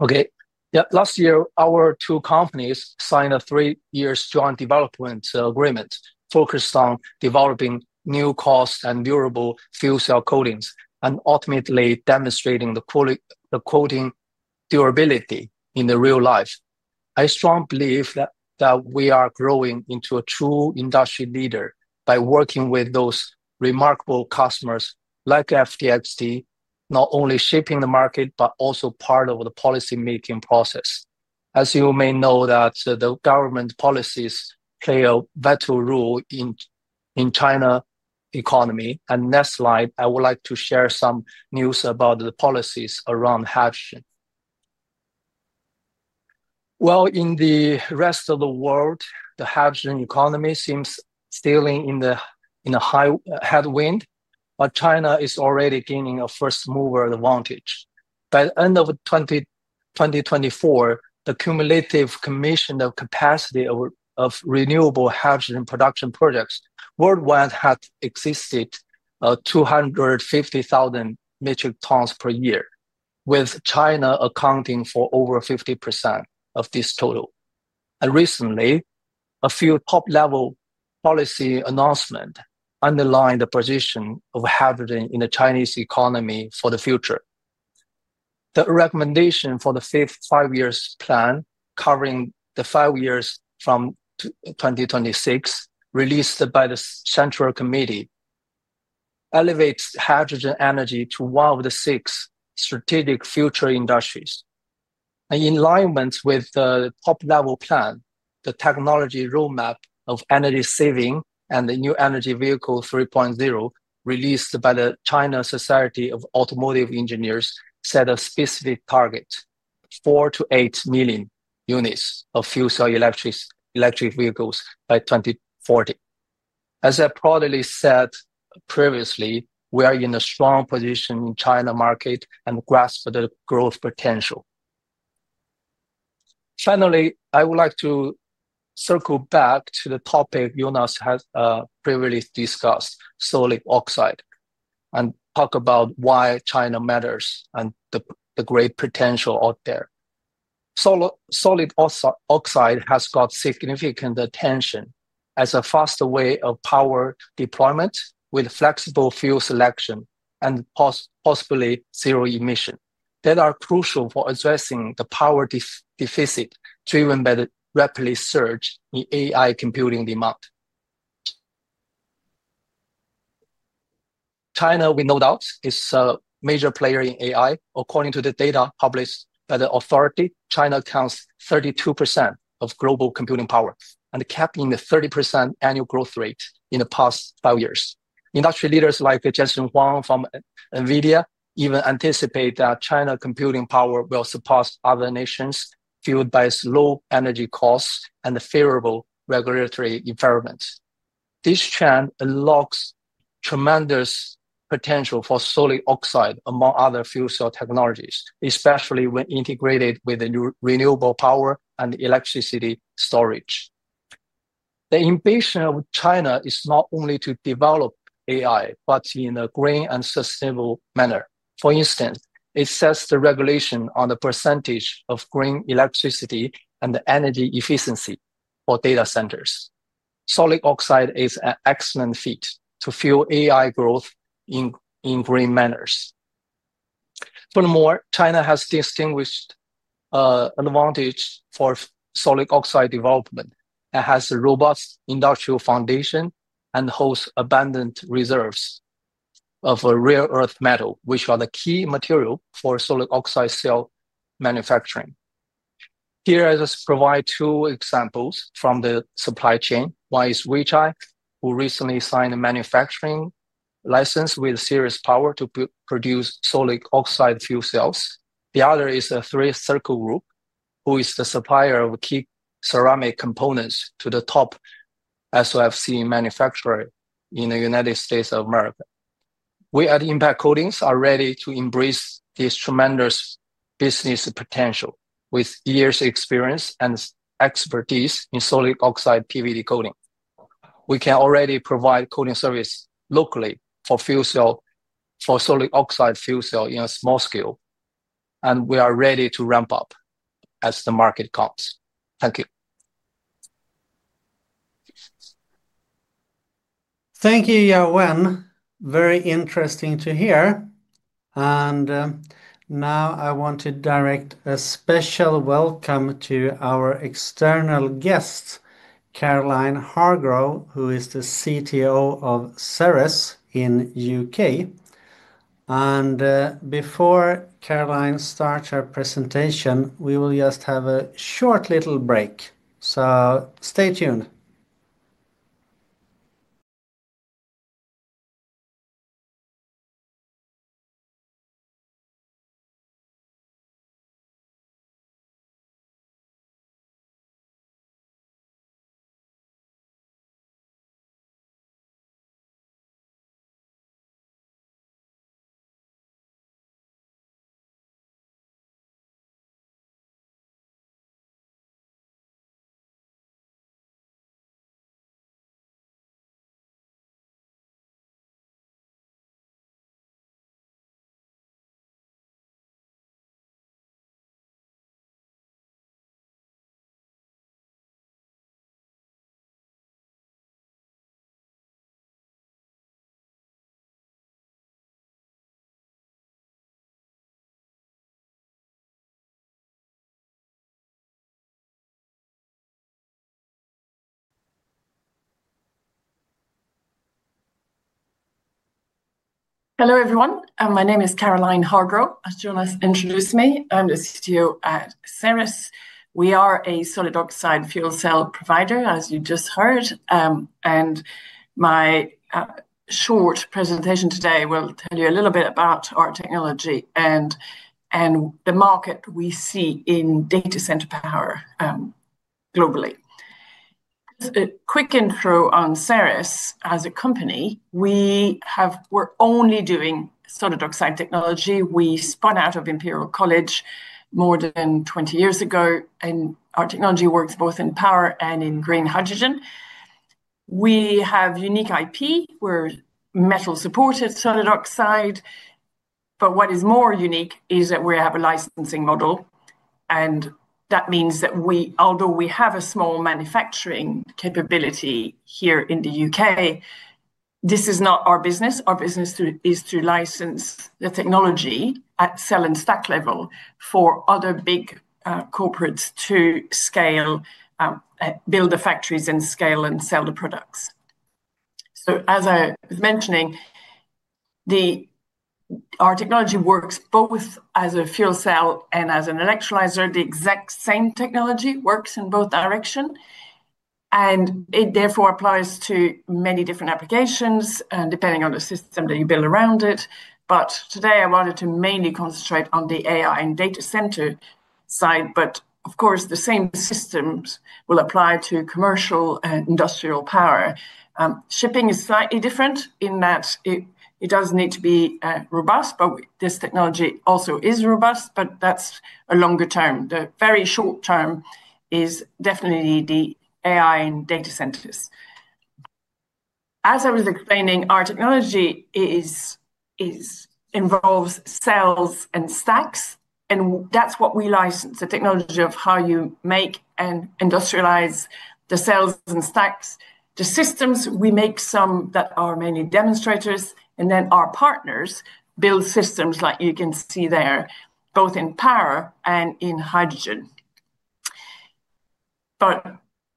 Okay. Last year, our two companies signed a three-year joint development agreement focused on developing new cost and durable fuel cell coatings and ultimately demonstrating the coating durability in real life. I strongly believe that we are growing into a true industry leader by working with those remarkable customers like FTXT, not only shaping the market, but also part of the policymaking process. As you may know, the government policies play a vital role in China's economy. Next slide, I would like to share some news about the policies around hydrogen. In the rest of the world, the hydrogen economy seems still in the headwind, but China is already gaining a first-mover advantage. By the end of 2024, the cumulative commissioned capacity of renewable hydrogen production projects worldwide had existed at 250,000 metric tons per year, with China accounting for over 50% of this total. Recently, a few top-level policy announcements underlined the position of hydrogen in the Chinese economy for the future. The recommendation for the fifth five-year plan, covering the five years from 2026, released by the Central Committee, elevates hydrogen energy to one of the six strategic future industries. In alignment with the top-level plan, the technology roadmap of energy saving and the new energy vehicle 3.0 released by the China Society of Automotive Engineers set a specific target: 4 million-8 million units of fuel cell electric vehicles by 2040. As I proudly said previously, we are in a strong position in the China market and grasp the growth potential. Finally, I would like to circle back to the topic Jonas has previously discussed, solid oxide, and talk about why China matters and the great potential out there. Solid oxide has got significant attention as a faster way of power deployment with flexible fuel selection and possibly zero emission that are crucial for addressing the power deficit driven by the rapidly surging AI computing demand. China, without doubt, is a major player in AI. According to the data published by the authority, China accounts for 32% of global computing power and capped the 30% annual growth rate in the past five years. Industry leaders like Jensen Huang from NVIDIA even anticipate that China's computing power will surpass other nations fueled by its low energy costs and the favorable regulatory environment. This trend unlocks tremendous potential for solid oxide among other fuel cell technologies, especially when integrated with renewable power and electricity storage. The ambition of China is not only to develop AI, but in a green and sustainable manner. For instance, it sets the regulation on the percentage of green electricity and the energy efficiency for data centers. Solid oxide is an excellent fit to fuel AI growth in green manners. Furthermore, China has distinguished advantages for solid oxide development and has a robust industrial foundation and holds abundant reserves of rare earth metal, which are the key material for solid oxide cell manufacturing. Here I just provide two examples from the supply chain. One is Weichai, who recently signed a manufacturing license with Ceres Power to produce solid oxide fuel cells. The other is Three Circle Group, who is the supplier of key ceramic components to the top SOFC manufacturer in the United States. We at Impact Coatings are ready to embrace this tremendous business potential with years of experience and expertise in solid oxide PVD coating. We can already provide coating service locally for solid oxide fuel cells in a small scale, and we are ready to ramp up as the market comes. Thank you. Thank you, Yaowen. Very interesting to hear. I want to direct a special welcome to our external guest, Caroline Hargrove, who is the CTO of Ceres in the United Kingdom. Before Caroline starts her presentation, we will just have a short little break. Stay tuned. Hello everyone. My name is Caroline Hargrove, as Jonas has introduced me. I'm the CTO at Ceres. We are a solid oxide fuel cell provider, as you just heard. My short presentation today will tell you a little bit about our technology and the market we see in data center power globally. Just a quick intro on Ceres as a company. We were only doing solid oxide technology. We spun out of Imperial College more than 20 years ago. Our technology works both in power and in green hydrogen. We have unique IP. We're metal-supported solid oxide. What is more unique is that we have a licensing model. That means that although we have a small manufacturing capability here in the U.K., this is not our business. Our business is to license the technology at cell and stack level for other big corporates to scale, build the factories and scale and sell the products. As I was mentioning, our technology works both as a fuel cell and as an electrolyzer. The exact same technology works in both directions. It therefore applies to many different applications depending on the system that you build around it. Today, I wanted to mainly concentrate on the AI and data center side. Of course, the same systems will apply to commercial and industrial power. Shipping is slightly different in that it does need to be robust, but this technology also is robust, but that's a longer term. The very short term is definitely the AI and data centers. As I was explaining, our technology involves cells and stacks, and that's what we license, the technology of how you make and industrialize the cells and stacks. The systems, we make some that are mainly demonstrators, and our partners build systems like you can see there, both in power and in hydrogen.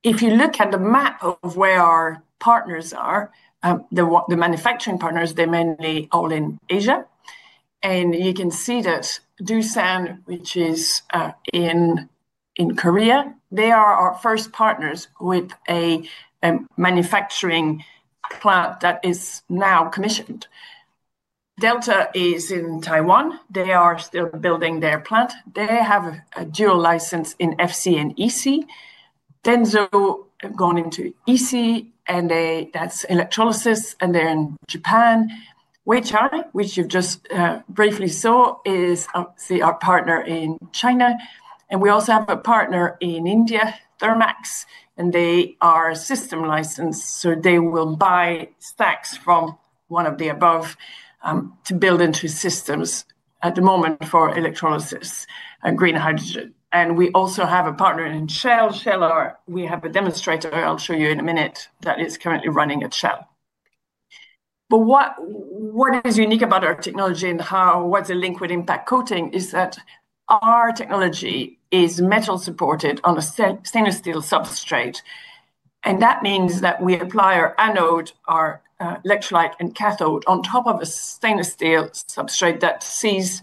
If you look at the map of where our partners are, the manufacturing partners, they're mainly all in Asia. You can see that Doosan, which is in Korea, they are our first partners with a manufacturing plant that is now commissioned. Delta is in Taiwan. They are still building their plant. They have a dual license in FC and EC. DENSO have gone into EC, and that's electrolysis, and they're in Japan. Weichai, which you just briefly saw, is our partner in China. We also have a partner in India, Thermax, and they are system licensed. They will buy stacks from one of the above to build into systems at the moment for electrolysis and green hydrogen. We also have a partner in Shell. Shell, we have a demonstrator I'll show you in a minute that is currently running at Shell. What is unique about our technology and what's the link with Impact Coatings is that our technology is metal-supported on a stainless steel substrate. That means that we apply our anode, our electrolyte, and cathode on top of a stainless steel substrate that sees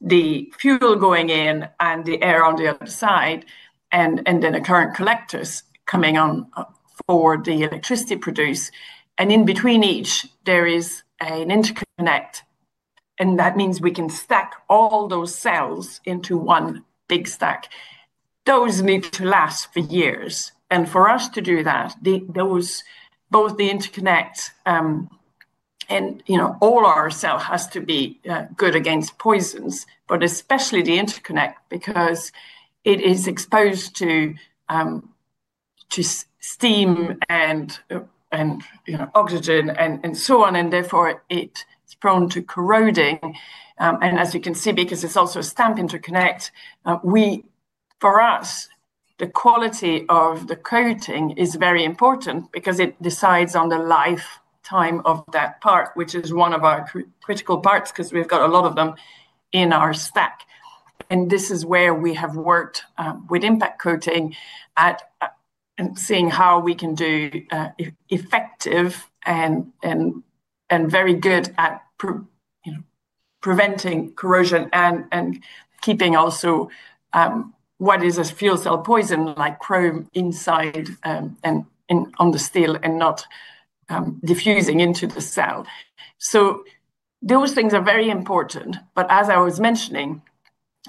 the fuel going in and the air on the other side, and then the current collectors coming on for the electricity produced. In between each, there is an interconnect. That means we can stack all those cells into one big stack. Those need to last for years. For us to do that, both the interconnect and all our cell has to be good against poisons, but especially the interconnect, because it is exposed to steam and oxygen and so on, and therefore it's prone to corroding. As you can see, because it is also a stamped interconnect, for us, the quality of the coating is very important because it decides on the lifetime of that part, which is one of our critical parts because we have a lot of them in our stack. This is where we have worked with Impact Coatings and seen how we can be effective and very good at preventing corrosion and keeping also what is a fuel cell poison like chrome inside and on the steel and not diffusing into the cell. Those things are very important. As I was mentioning,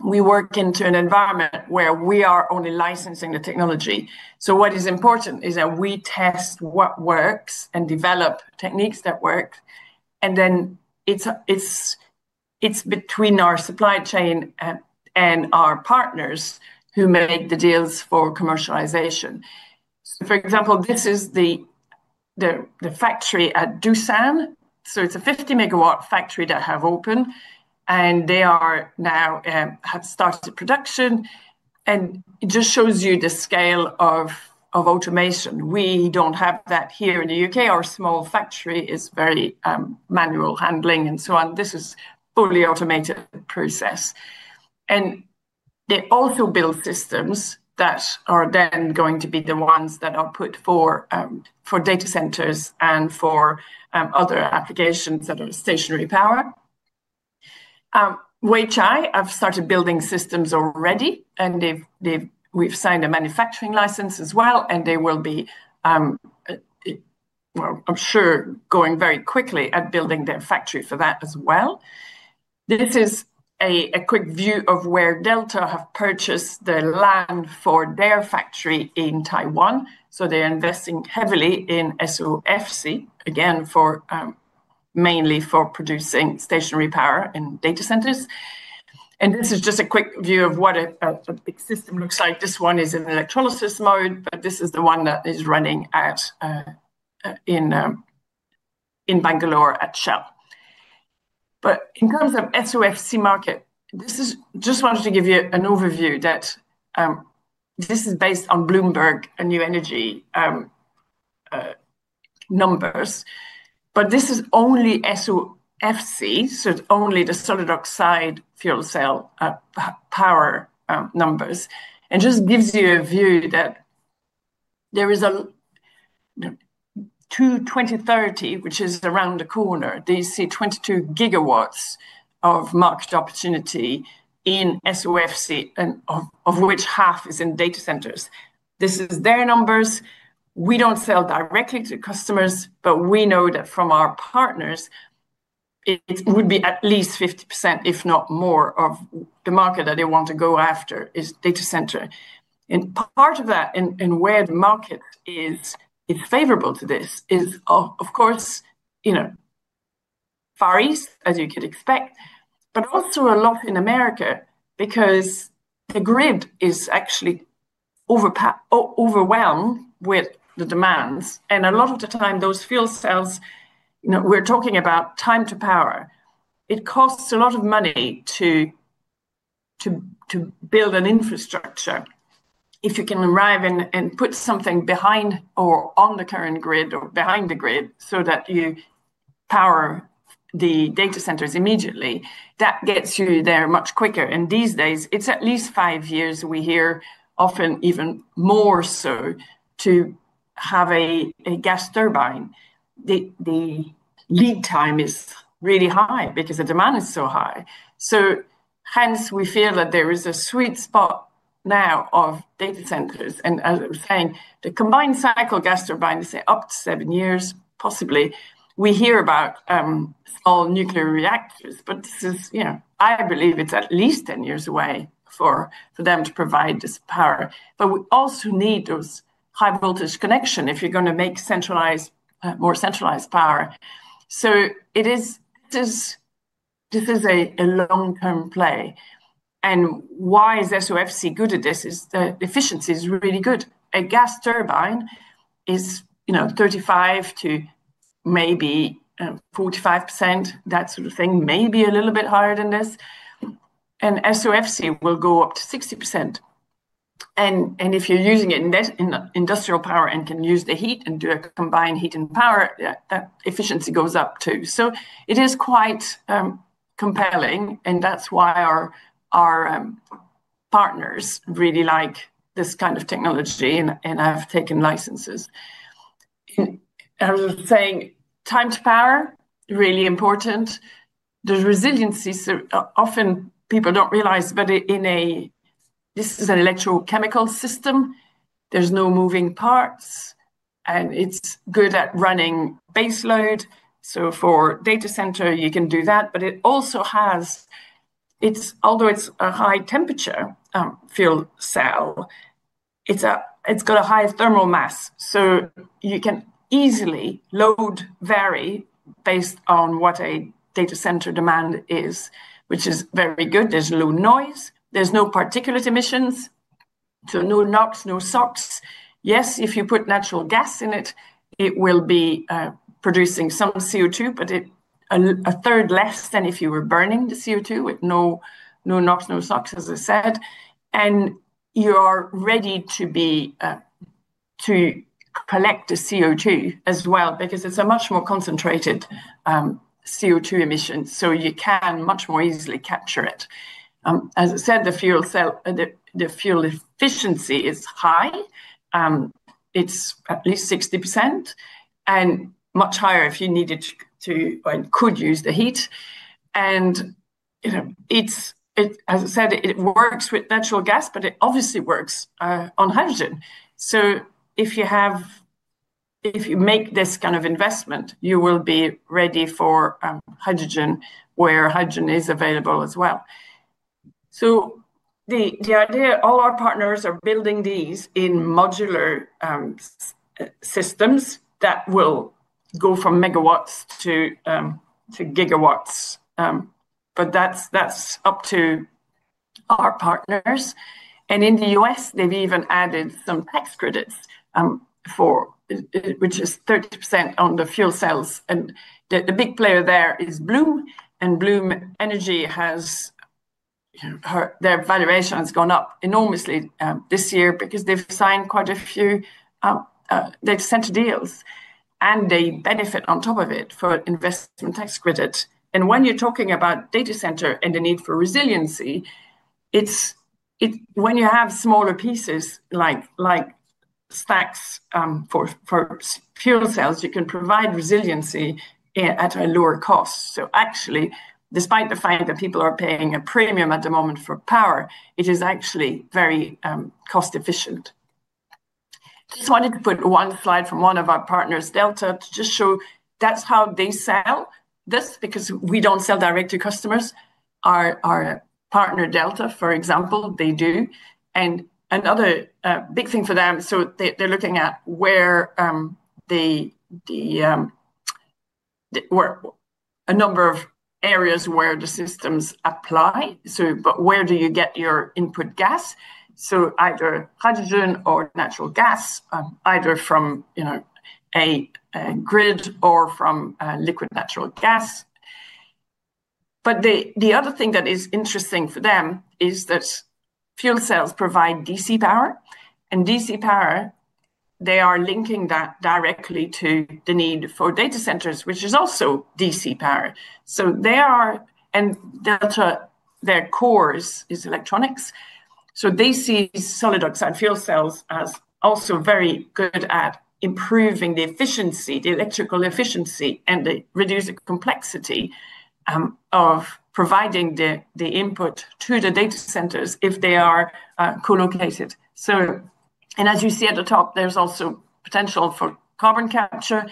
we work in an environment where we are only licensing the technology. What is important is that we test what works and develop techniques that work. Then it is between our supply chain and our partners who make the deals for commercialization. For example, this is the factory at Doosan. It is a 50 MW factory that I have open, and they have started production. It just shows you the scale of automation. We do not have that here in the U.K. Our small factory is very manual handling and so on. This is a fully automated process. They also build systems that are then going to be the ones that are put for data centers and for other applications that are stationary power. Weichai have started building systems already, and we have signed a manufacturing license as well, and they will be, I am sure, going very quickly at building their factory for that as well. This is a quick view of where Delta have purchased the land for their factory in Taiwan. They are investing heavily in SOFC, again, mainly for producing stationary power in data centers. This is just a quick view of what a big system looks like. This one is in electrolysis mode, but this is the one that is running in Bangalore at Shell. In terms of SOFC market, I just wanted to give you an overview that this is based on Bloomberg and New Energy numbers. This is only SOFC, so it is only the solid oxide fuel cell power numbers. It just gives you a view that to 2030, which is around the corner, they see 22 GW of market opportunity in SOFC, of which half is in data centers. This is their numbers. We do not sell directly to customers, but we know that from our partners, it would be at least 50%, if not more, of the market that they want to go after is data center. Part of that and where the market is favorable to this is, of course, Far East, as you could expect, but also a lot in America because the grid is actually overwhelmed with the demands. A lot of the time, those fuel cells, we're talking about time to power. It costs a lot of money to build an infrastructure. If you can arrive and put something behind or on the current grid or behind the grid so that you power the data centers immediately, that gets you there much quicker. These days, it's at least five years. We hear often even more so to have a gas turbine. The lead time is really high because the demand is so high. Hence, we feel that there is a sweet spot now of data centers. As I was saying, the combined cycle gas turbine is up to seven years, possibly. We hear about small nuclear reactors, but I believe it is at least 10 years away for them to provide this power. We also need those high-voltage connections if you are going to make more centralized power. This is a long-term play. Why is SOFC good at this? The efficiency is really good. A gas turbine is 35% to maybe 45%, that sort of thing, maybe a little bit higher than this. SOFC will go up to 60%. If you are using it in industrial power and can use the heat and do a combined heat and power, that efficiency goes up too. It is quite compelling, and that is why our partners really like this kind of technology, and have taken licenses. As I was saying, time to power, really important. The resiliency, often people do not realize, but this is an electrochemical system. There are no moving parts, and it is good at running baseload. For data center, you can do that. It also has, although it is a high-temperature fuel cell, a high thermal mass. You can easily load vary based on what a data center demand is, which is very good. There is low noise. There are no particulate emissions. No NOx, no SOx. Yes, if you put natural gas in it, it will be producing some CO2, but 1/3 less than if you were burning the CO2 with no NOx, no SOx, as I said. You are ready to collect the CO2 as well because it is a much more concentrated CO2 emission. You can much more easily capture it. As I said, the fuel efficiency is high. It's at least 60% and much higher if you needed to and could use the heat. As I said, it works with natural gas, but it obviously works on hydrogen. If you make this kind of investment, you will be ready for hydrogen where hydrogen is available as well. The idea is all our partners are building these in modular systems that will go from megawatts to gigawatts. That's up to our partners. In the U.S., they've even added some tax credits, which is 30% on the fuel cells. The big player there is Bloom. Bloom Energy, their valuation has gone up enormously this year because they've signed quite a few data center deals. They benefit on top of it for investment tax credits. When you're talking about data center and the need for resiliency, when you have smaller pieces like stacks for fuel cells, you can provide resiliency at a lower cost. Actually, despite the fact that people are paying a premium at the moment for power, it is actually very cost-efficient. I just wanted to put one slide from one of our partners, Delta, to just show that's how they sell this because we do not sell direct to customers. Our partner, Delta, for example, they do. Another big thing for them, so they're looking at a number of areas where the systems apply. Where do you get your input gas? Either hydrogen or natural gas, either from a grid or from liquid natural gas. The other thing that is interesting for them is that fuel cells provide DC power. DC power, they are linking that directly to the need for data centers, which is also DC power. Delta, their core is electronics. They see solid oxide fuel cells as also very good at improving the electrical efficiency and reducing the complexity of providing the input to the data centers if they are co-located. As you see at the top, there is also potential for carbon capture.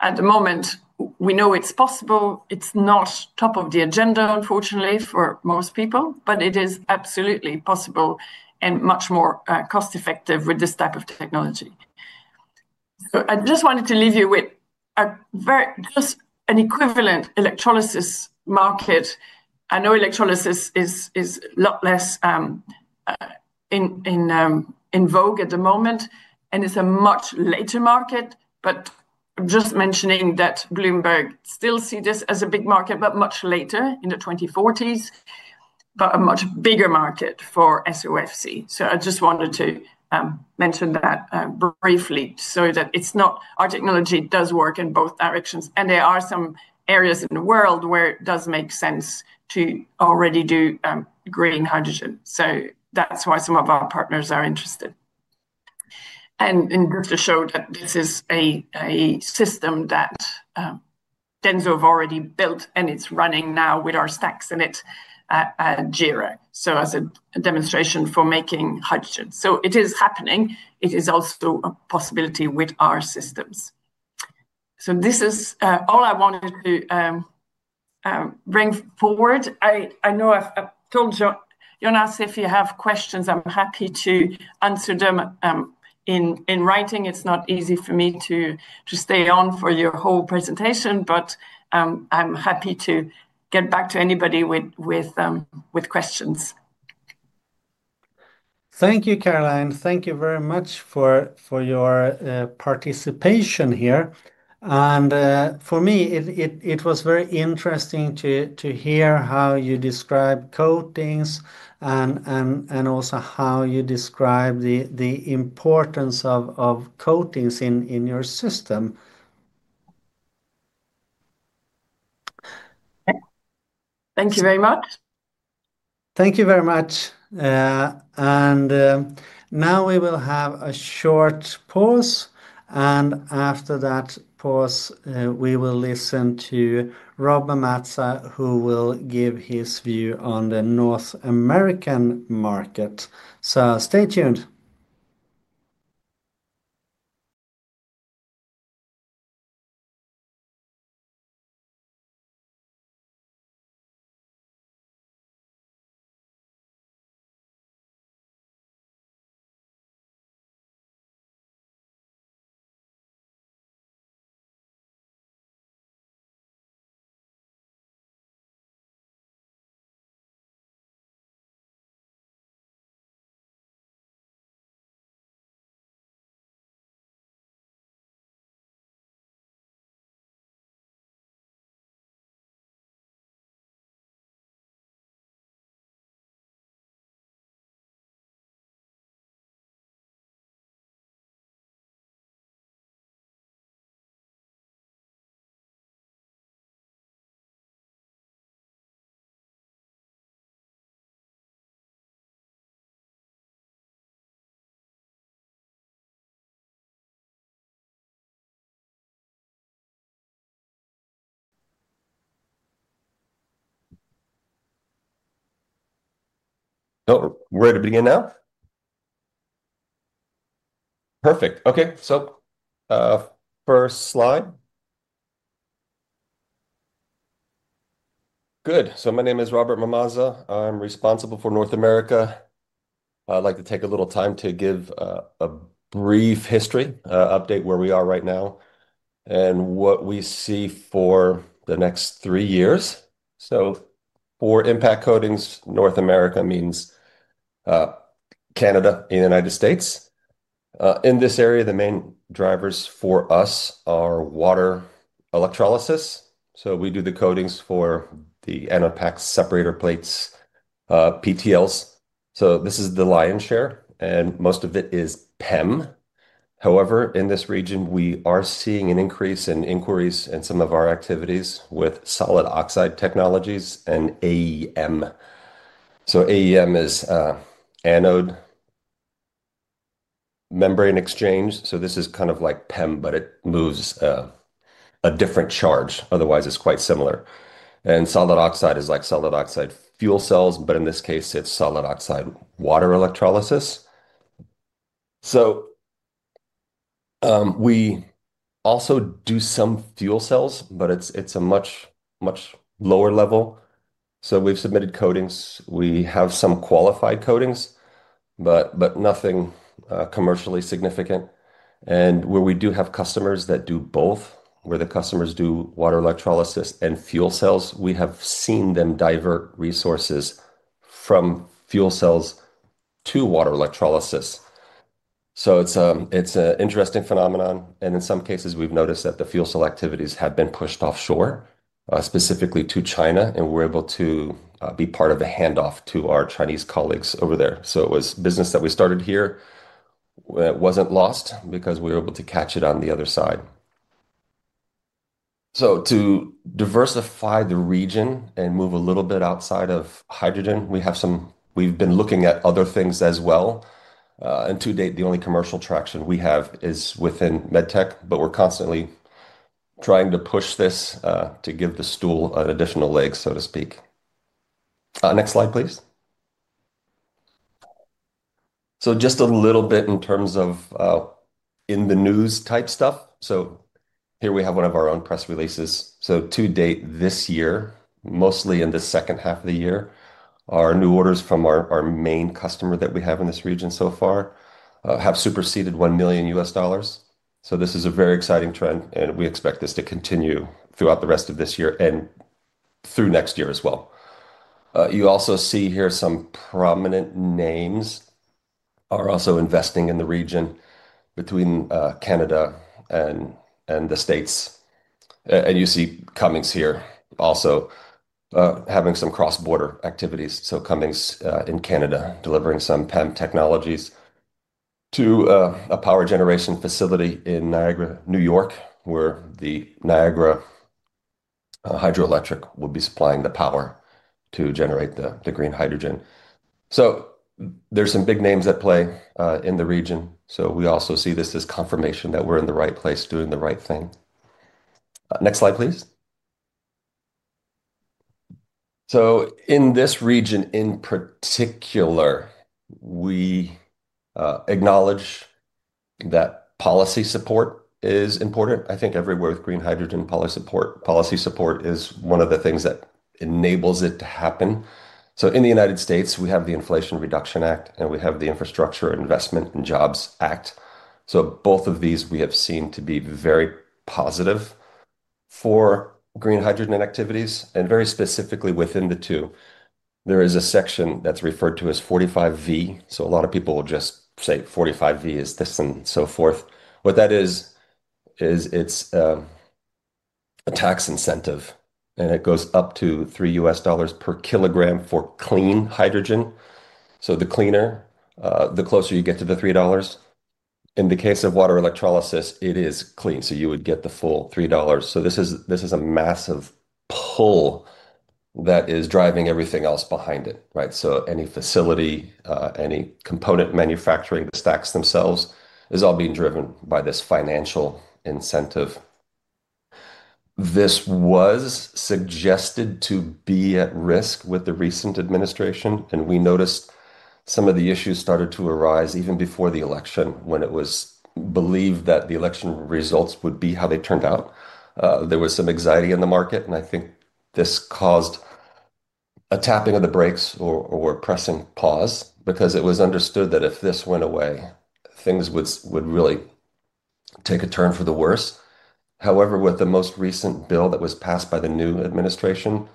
At the moment, we know it is possible. It is not top of the agenda, unfortunately, for most people, but it is absolutely possible and much more cost-effective with this type of technology. I just wanted to leave you with just an equivalent electrolysis market. I know electrolysis is a lot less in vogue at the moment, and it is a much later market. I'm just mentioning that Bloomberg still sees this as a big market, but much later in the 2040s, but a much bigger market for SOFC. I just wanted to mention that briefly so that it's not our technology does work in both directions. There are some areas in the world where it does make sense to already do green hydrogen. That's why some of our partners are interested. Just to show that this is a system that DENSO have already built, and it's running now with our stacks in it at JERA as a demonstration for making hydrogen. It is happening. It is also a possibility with our systems. This is all I wanted to bring forward. I know I've told you, Jonas, if you have questions, I'm happy to answer them in writing. It's not easy for me to stay on for your whole presentation, but I'm happy to get back to anybody with questions. Thank you, Caroline. Thank you very much for your participation here. For me, it was very interesting to hear how you describe coatings and also how you describe the importance of coatings in your system. Thank you very much. Thank you very much. Now we will have a short pause. After that pause, we will listen to Robert Mamazza, who will give his view on the North American market. Stay tuned. Where to begin now? Perfect. Okay. First slide. Good. My name is Robert Mamazza. I'm responsible for North America. I'd like to take a little time to give a brief history update where we are right now and what we see for the next three years. For Impact Coatings, North America means Canada and the United States. In this area, the main drivers for us are water electrolysis. We do the coatings for the anode pack separator plates, PTLs. This is the lion's share, and most of it is PEM. However, in this region, we are seeing an increase in inquiries and some of our activities with solid oxide technologies and AEM. AEM is anion membrane exchange. This is kind of like PEM, but it moves a different charge. Otherwise, it is quite similar. Solid oxide is like solid oxide fuel cells, but in this case, it is solid oxide water electrolysis. We also do some fuel cells, but it is a much lower level. We have submitted coatings. We have some qualified coatings, but nothing commercially significant. Where we do have customers that do both, where the customers do water electrolysis and fuel cells, we have seen them divert resources from fuel cells to water electrolysis. It is an interesting phenomenon. In some cases, we have noticed that the fuel cell activities have been pushed offshore, specifically to China, and we are able to be part of the handoff to our Chinese colleagues over there. It was business that we started here. It was not lost because we were able to catch it on the other side. To diversify the region and move a little bit outside of hydrogen, we have been looking at other things as well. To date, the only commercial traction we have is within med tech, but we are constantly trying to push this to give the stool an additional leg, so to speak. Next slide, please. Just a little bit in terms of in-the-news type stuff. Here we have one of our own press releases. To date this year, mostly in the second half of the year, our new orders from our main customer that we have in this region so far have superseded $1 million. This is a very exciting trend, and we expect this to continue throughout the rest of this year and through next year as well. You also see here some prominent names are also investing in the region between Canada and the States. You see Cummins here also having some cross-border activities. Cummins in Canada delivering some PEM technologies to a power generation facility in Niagara, New York, where the Niagara Hydroelectric will be supplying the power to generate the green hydrogen. There are some big names at play in the region. We also see this as confirmation that we're in the right place doing the right thing. Next slide, please. In this region in particular, we acknowledge that policy support is important. I think everywhere with green hydrogen, policy support is one of the things that enables it to happen. In the United States, we have the Inflation Reduction Act, and we have the Infrastructure Investment and Jobs Act. Both of these we have seen to be very positive for green hydrogen activities. Very specifically within the two, there is a section that's referred to as 45V. A lot of people will just say 45V is this and so forth. What that is, is it's a tax incentive, and it goes up to $3 per kilogram for clean hydrogen. The cleaner, the closer you get to the $3. In the case of water electrolysis, it is clean. You would get the full $3. This is a massive pull that is driving everything else behind it, right? Any facility, any component manufacturing, the stacks themselves is all being driven by this financial incentive. This was suggested to be at risk with the recent administration, and we noticed some of the issues started to arise even before the election when it was believed that the election results would be how they turned out. There was some anxiety in the market, and I think this caused a tapping of the brakes or pressing pause because it was understood that if this went away, things would really take a turn for the worse. However, with the most recent bill that was passed by the new administration,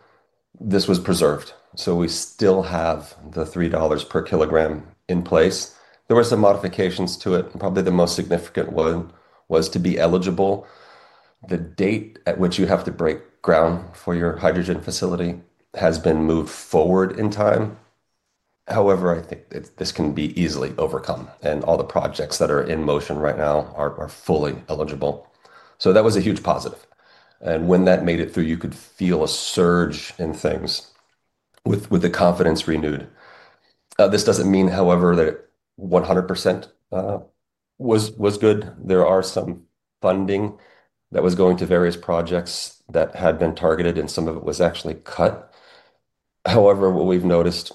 this was preserved. We still have the $3 per kilogram in place. There were some modifications to it. Probably the most significant one was to be eligible. The date at which you have to break ground for your hydrogen facility has been moved forward in time. However, I think this can be easily overcome, and all the projects that are in motion right now are fully eligible. That was a huge positive. When that made it through, you could feel a surge in things with the confidence renewed. This does not mean, however, that 100% was good. There are some funding that was going to various projects that had been targeted, and some of it was actually cut. However, what we've noticed,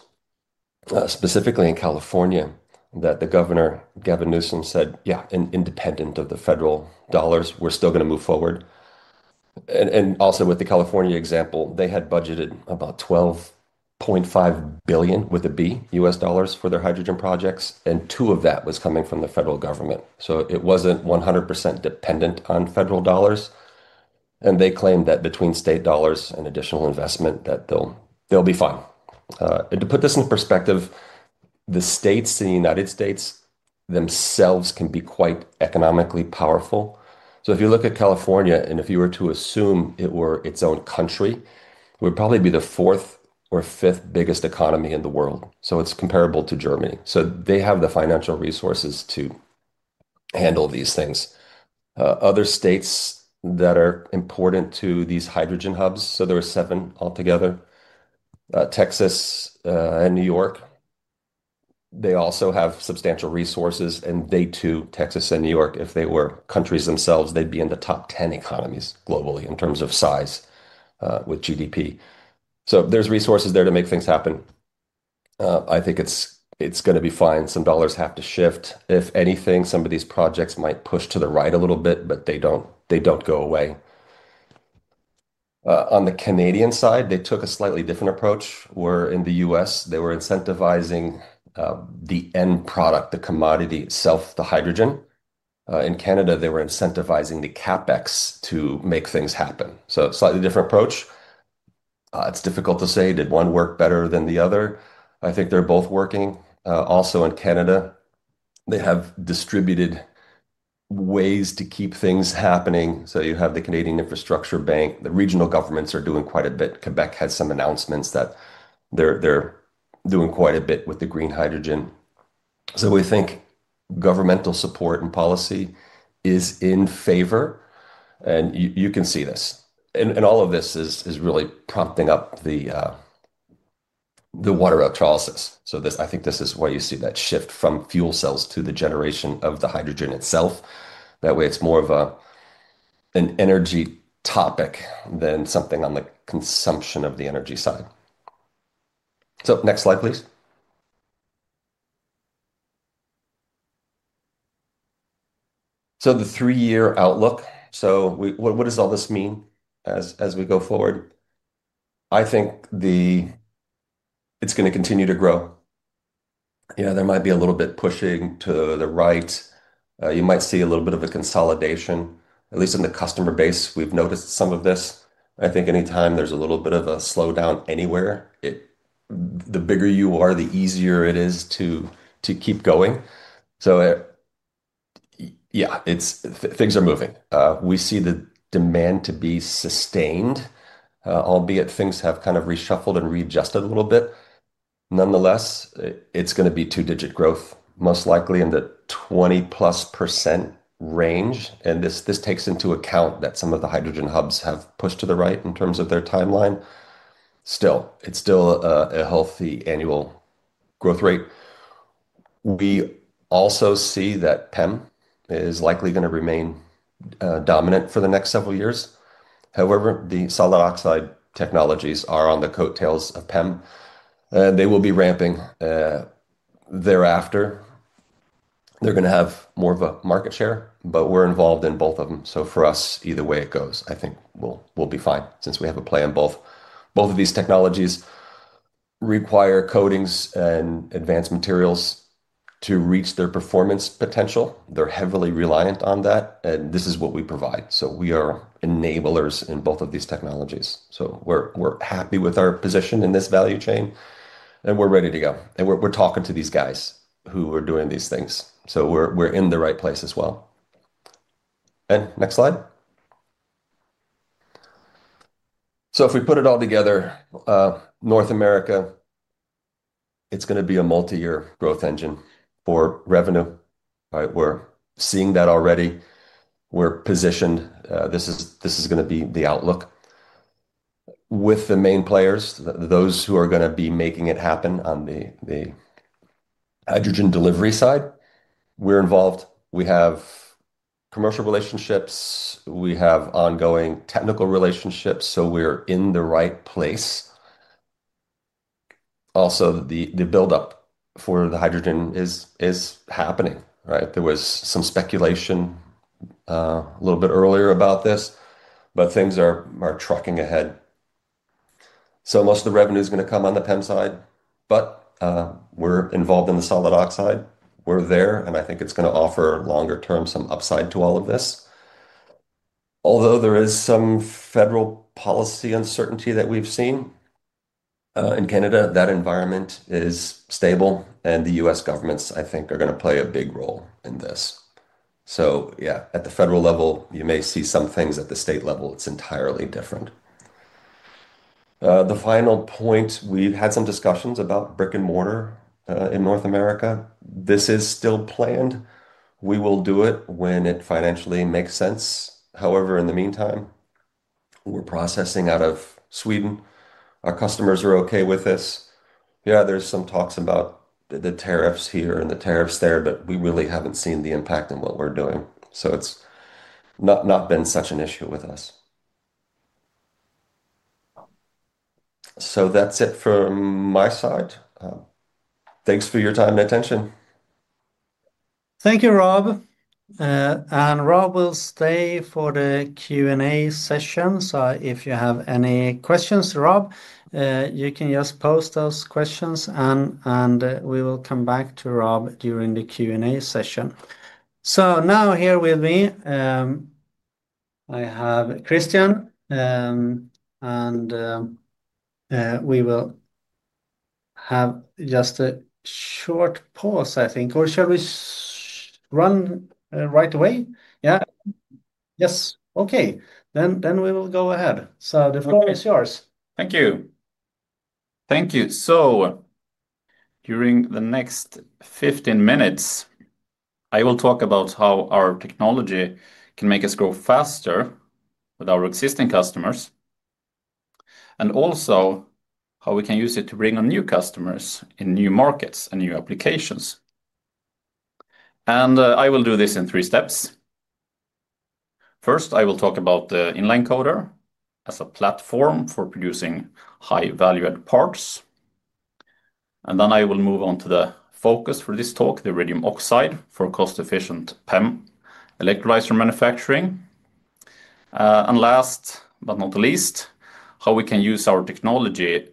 specifically in California, is that the governor, Gavin Newsom, said, "Yeah, independent of the federal dollars, we're still going to move forward." Also, with the California example, they had budgeted about $12.5 billion for their hydrogen projects, and $2 billion of that was coming from the federal government. It was not 100% dependent on federal dollars. They claimed that between state dollars and additional investment, they'll be fine. To put this in perspective, the states in the U.S. themselves can be quite economically powerful. If you look at California, and if you were to assume it were its own country, it would probably be the fourth or fifth biggest economy in the world. It is comparable to Germany. They have the financial resources to handle these things. Other states that are important to these hydrogen hubs, so there are seven altogether, Texas and New York, they also have substantial resources. They too, Texas and New York, if they were countries themselves, they'd be in the top 10 economies globally in terms of size with GDP. There are resources there to make things happen. I think it's going to be fine. Some dollars have to shift. If anything, some of these projects might push to the right a little bit, but they don't go away. On the Canadian side, they took a slightly different approach. Where in the U.S., they were incentivizing the end product, the commodity itself, the hydrogen. In Canada, they were incentivizing the CapEx to make things happen. A slightly different approach. It's difficult to say, did one work better than the other? I think they're both working. Also in Canada, they have distributed ways to keep things happening. You have the Canadian Infrastructure Bank. The regional governments are doing quite a bit. Quebec has some announcements that they're doing quite a bit with the green hydrogen. We think governmental support and policy is in favor. You can see this. All of this is really prompting up the water electrolysis. I think this is why you see that shift from fuel cells to the generation of the hydrogen itself. That way, it's more of an energy topic than something on the consumption of the energy side. Next slide, please. The three-year outlook. What does all this mean as we go forward? I think it's going to continue to grow. There might be a little bit pushing to the right. You might see a little bit of a consolidation, at least in the customer base. We've noticed some of this. I think anytime there's a little bit of a slowdown anywhere, the bigger you are, the easier it is to keep going. Yeah, things are moving. We see the demand to be sustained, albeit things have kind of reshuffled and readjusted a little bit. Nonetheless, it's going to be two-digit growth, most likely in the 20%+ range. This takes into account that some of the hydrogen hubs have pushed to the right in terms of their timeline. Still, it's still a healthy annual growth rate. We also see that PEM is likely going to remain dominant for the next several years. However, the solid oxide technologies are on the coattails of PEM. They will be ramping thereafter. They're going to have more of a market share, but we're involved in both of them. For us, either way it goes, I think we'll be fine since we have a plan. Both of these technologies require coatings and advanced materials to reach their performance potential. They're heavily reliant on that, and this is what we provide. We are enablers in both of these technologies. We're happy with our position in this value chain, and we're ready to go. We're talking to these guys who are doing these things. We're in the right place as well. Next slide. If we put it all together, North America is going to be a multi-year growth engine for revenue. We're seeing that already. We're positioned. This is going to be the outlook. With the main players, those who are going to be making it happen on the hydrogen delivery side, we're involved. We have commercial relationships. We have ongoing technical relationships. We're in the right place. Also, the buildup for the hydrogen is happening, right? There was some speculation a little bit earlier about this, but things are trucking ahead. Most of the revenue is going to come on the PEM side, but we're involved in the solid oxide. We're there, and I think it's going to offer longer term some upside to all of this. Although there is some federal policy uncertainty that we've seen in Canada, that environment is stable. The U.S. governments, I think, are going to play a big role in this. Yeah, at the federal level, you may see some things. At the state level, it's entirely different. The final point, we've had some discussions about brick and mortar in North America. This is still planned. We will do it when it financially makes sense. However, in the meantime, we're processing out of Sweden. Our customers are okay with this. Yeah, there's some talks about the tariffs here and the tariffs there, but we really haven't seen the impact in what we're doing. It has not been such an issue with us. That is it from my side. Thanks for your time and attention. Thank you, Rob. Rob will stay for the Q&A session. If you have any questions, Rob, you can just post those questions, and we will come back to Rob during the Q&A session. Now here with me, I have Kristian, and we will have just a short pause, I think. Or shall we run right away? Yeah? Yes. Okay. We will go ahead. The floor is yours. Thank you. Thank you. During the next 15 minutes, I will talk about how our technology can make us grow faster with our existing customers and also how we can use it to bring on new customers in new markets and new applications. I will do this in three steps. First, I will talk about the InlineCoater as a platform for producing high-valued parts. Then I will move on to the focus for this talk, the iridium oxide for cost-efficient PEM electrolyzer manufacturing. Last, but not the least, how we can use our technology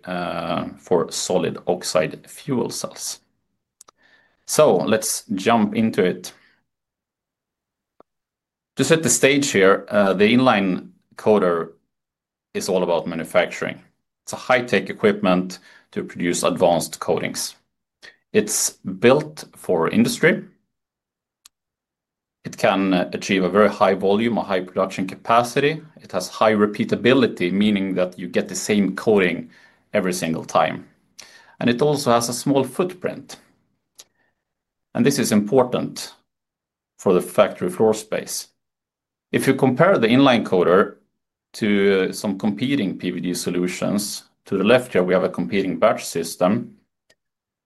for solid oxide fuel cells. Let's jump into it. To set the stage here, the InlineCoater is all about manufacturing. It is high-tech equipment to produce advanced coatings. It is built for industry. It can achieve a very high volume, a high production capacity. It has high repeatability, meaning that you get the same coating every single time. It also has a small footprint. This is important for the factory floor space. If you compare the InlineCoater to some competing PVD solutions, to the left here, we have a competing batch system.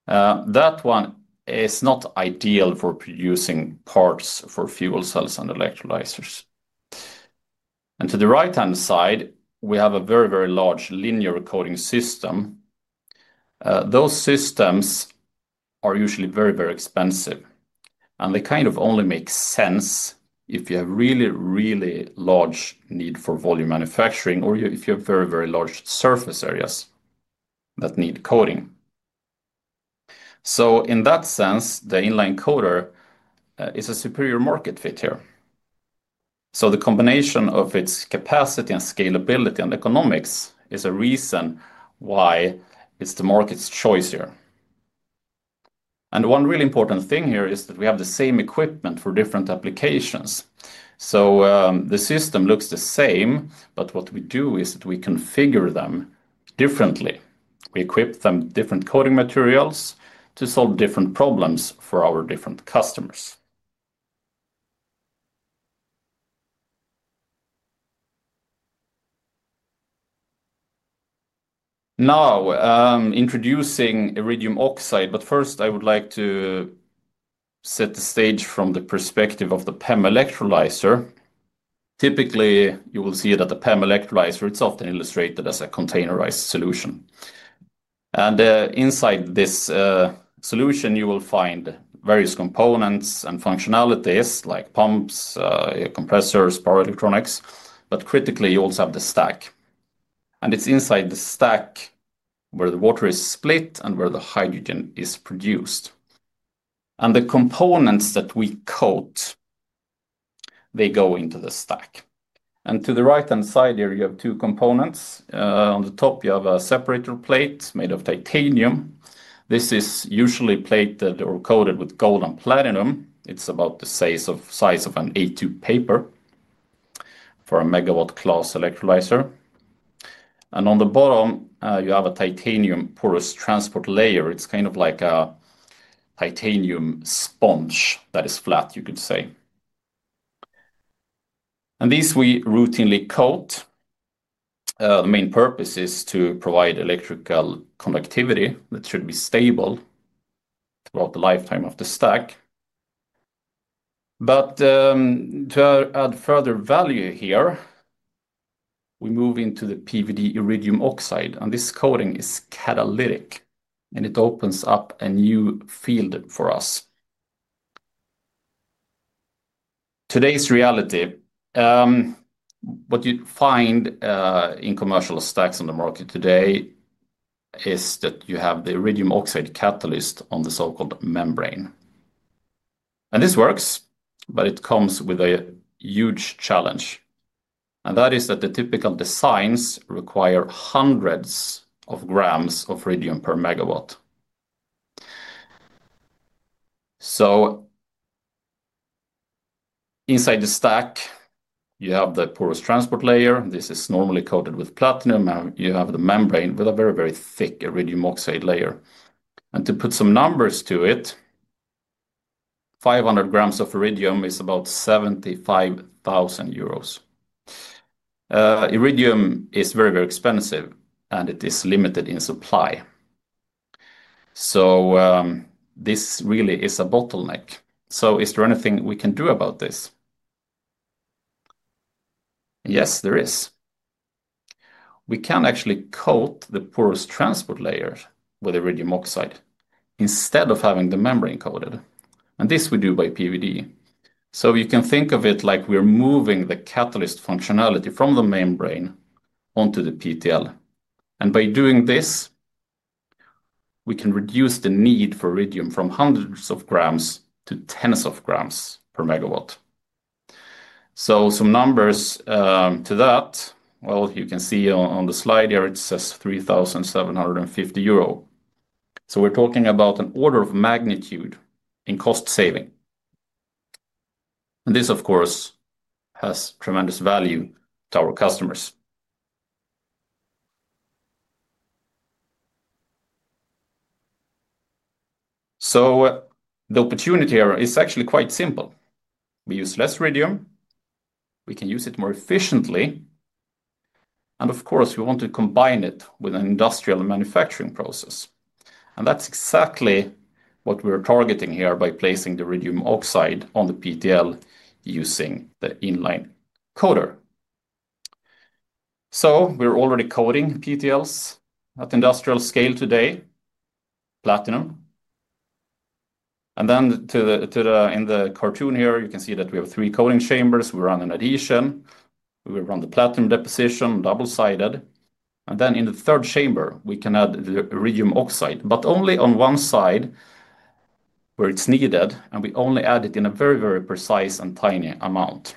That one is not ideal for producing parts for fuel cells and electrolyzers. To the right-hand side, we have a very, very large linear coating system. Those systems are usually very, very expensive. They kind of only make sense if you have really, really large need for volume manufacturing or if you have very, very large surface areas that need coating. In that sense, the InlineCoater is a superior market fit here. The combination of its capacity and scalability and economics is a reason why it's the market's choice here. One really important thing here is that we have the same equipment for different applications. The system looks the same, but what we do is that we configure them differently. We equip them with different coating materials to solve different problems for our different customers. Now, introducing iridium oxide, but first, I would like to set the stage from the perspective of the PEM electrolyzer. Typically, you will see that the PEM electrolyzer, it's often illustrated as a containerized solution. Inside this solution, you will find various components and functionalities like pumps, compressors, power electronics, but critically, you also have the stack. It's inside the stack where the water is split and where the hydrogen is produced. The components that we coat, they go into the stack. To the right-hand side here, you have two components. On the top, you have a separator plate made of titanium. This is usually plated or coated with gold and platinum. It is about the size of an A2 paper for a megawatt-class electrolyzer. On the bottom, you have a titanium porous transport layer. It is kind of like a titanium sponge that is flat, you could say. These we routinely coat. The main purpose is to provide electrical conductivity that should be stable throughout the lifetime of the stack. To add further value here, we move into the PVD iridium oxide. This coating is catalytic, and it opens up a new field for us. Today's reality, what you find in commercial stacks on the market today is that you have the iridium oxide catalyst on the so-called membrane. This works, but it comes with a huge challenge. The typical designs require hundreds of grams of iridium per megawatt. Inside the stack, you have the porous transport layer. This is normally coated with platinum. You have the membrane with a very, very thick iridium oxide layer. To put some numbers to it, 500 g of iridium is about 75,000 euros. Iridium is very, very expensive, and it is limited in supply. This really is a bottleneck. Is there anything we can do about this? Yes, there is. We can actually coat the porous transport layers with iridium oxide instead of having the membrane coated. This we do by PVD. You can think of it like we're moving the catalyst functionality from the membrane onto the PTL. By doing this, we can reduce the need for iridium from hundreds of grams to tens of grams per megawatt. Some numbers to that, you can see on the slide here, it says 3,750 euro. We are talking about an order of magnitude in cost saving. This, of course, has tremendous value to our customers. The opportunity here is actually quite simple. We use less iridium. We can use it more efficiently. Of course, we want to combine it with an industrial manufacturing process. That is exactly what we are targeting here by placing the iridium oxide on the PTL using the InlineCoater. We are already coating PTLs at industrial scale today, platinum. In the cartoon here, you can see that we have three coating chambers. We run, in addition, we run the platinum deposition, double-sided. In the third chamber, we can add the iridium oxide, but only on one side where it's needed, and we only add it in a very, very precise and tiny amount.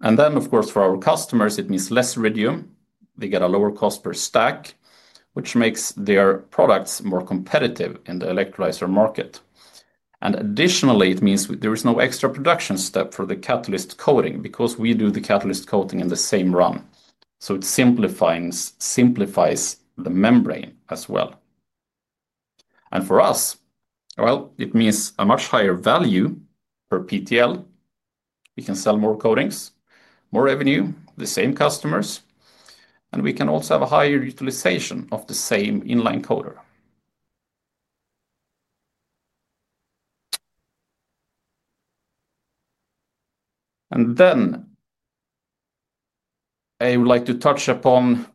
For our customers, it means less iridium. They get a lower cost per stack, which makes their products more competitive in the electrolyzer market. Additionally, it means there is no extra production step for the catalyst coating because we do the catalyst coating in the same run. It simplifies the membrane as well. For us, it means a much higher value per PTL. We can sell more coatings, more revenue, the same customers, and we can also have a higher utilization of the same InlineCoater. I would like to touch upon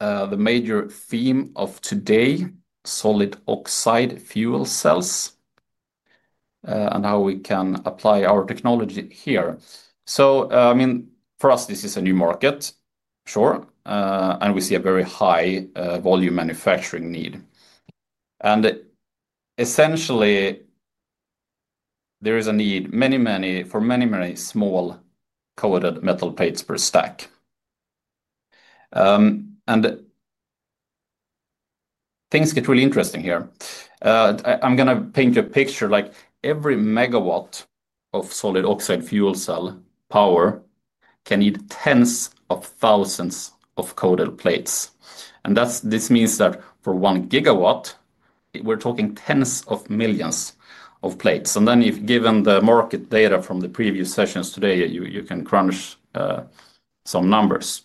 the major theme of today, solid oxide fuel cells, and how we can apply our technology here. I mean, for us, this is a new market, sure, and we see a very high volume manufacturing need. Essentially, there is a need for many, many small coated metal plates per stack. Things get really interesting here. I'm going to paint you a picture. Like every megawatt of solid oxide fuel cell power can need tens of thousands of coated plates. This means that for one gigawatt, we're talking tens of millions of plates. If given the market data from the previous sessions today, you can crunch some numbers.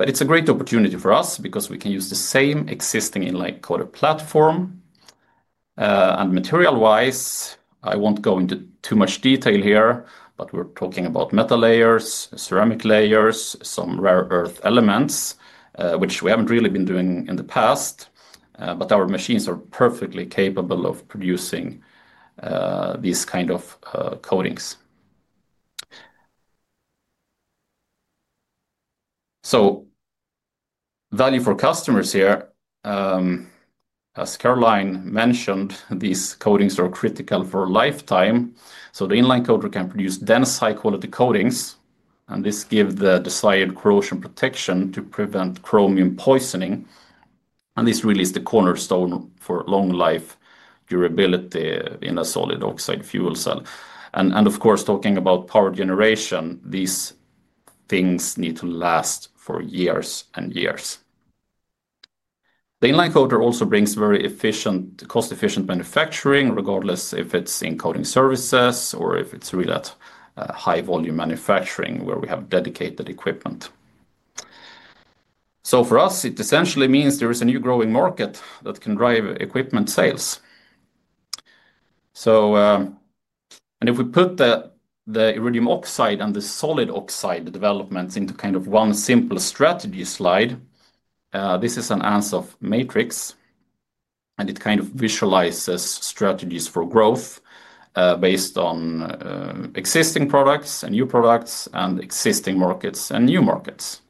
It's a great opportunity for us because we can use the same existing InlineCoater platform. Material-wise, I will not go into too much detail here, but we are talking about metal layers, ceramic layers, some rare earth elements, which we have not really been doing in the past, but our machines are perfectly capable of producing these kind of coatings. Value for customers here, as Caroline mentioned, these coatings are critical for lifetime. The InlineCoater can produce dense, high-quality coatings, and this gives the desired corrosion protection to prevent chromium poisoning. This really is the cornerstone for long-life durability in a solid oxide fuel cell. Of course, talking about power generation, these things need to last for years and years. The InlineCoater also brings very cost-efficient manufacturing, regardless if it is in coating services or if it is really at high-volume manufacturing where we have dedicated equipment. For us, it essentially means there is a new growing market that can drive equipment sales. If we put the iridium oxide and the solid oxide developments into kind of one simple strategy slide, this is an ANSOF matrix, and it kind of visualizes strategies for growth based on existing products and new products and existing markets and new markets.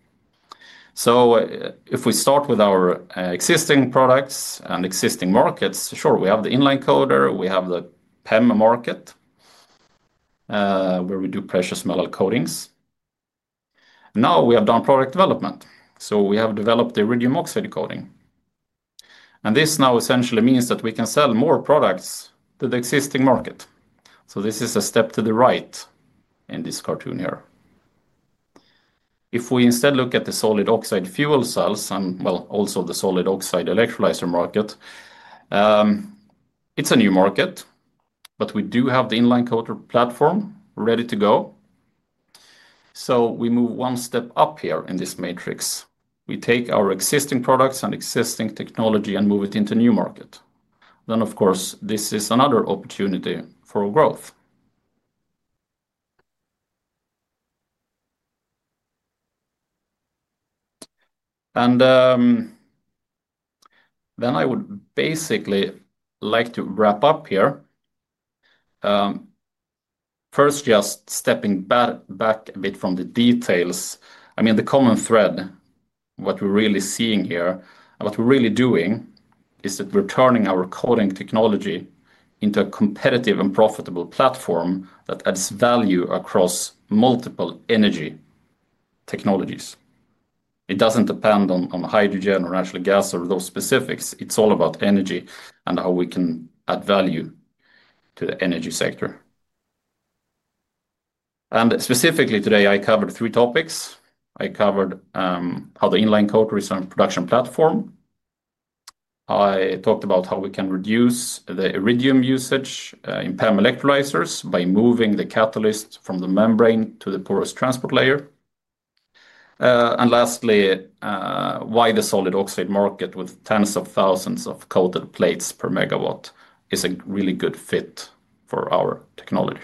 If we start with our existing products and existing markets, sure, we have the InlineCoater. We have the PEM market where we do precious metal coatings. Now we have done product development. We have developed the iridium oxide coating. This now essentially means that we can sell more products to the existing market. This is a step to the right in this cartoon here. If we instead look at the solid oxide fuel cells and, well, also the solid oxide electrolyzer market, it's a new market, but we do have the InlineCoater platform ready to go. We move one step up here in this matrix. We take our existing products and existing technology and move it into a new market. Of course, this is another opportunity for growth. I would basically like to wrap up here. First, just stepping back a bit from the details. I mean, the common thread, what we're really seeing here and what we're really doing is that we're turning our coating technology into a competitive and profitable platform that adds value across multiple energy technologies. It doesn't depend on hydrogen or natural gas or those specifics. It's all about energy and how we can add value to the energy sector. Specifically today, I covered three topics. I covered how the InlineCoater is a production platform. I talked about how we can reduce the iridium usage in PEM electrolyzers by moving the catalyst from the membrane to the porous transport layer. Lastly, why the solid oxide market with tens of thousands of coated plates per megawatt is a really good fit for our technology.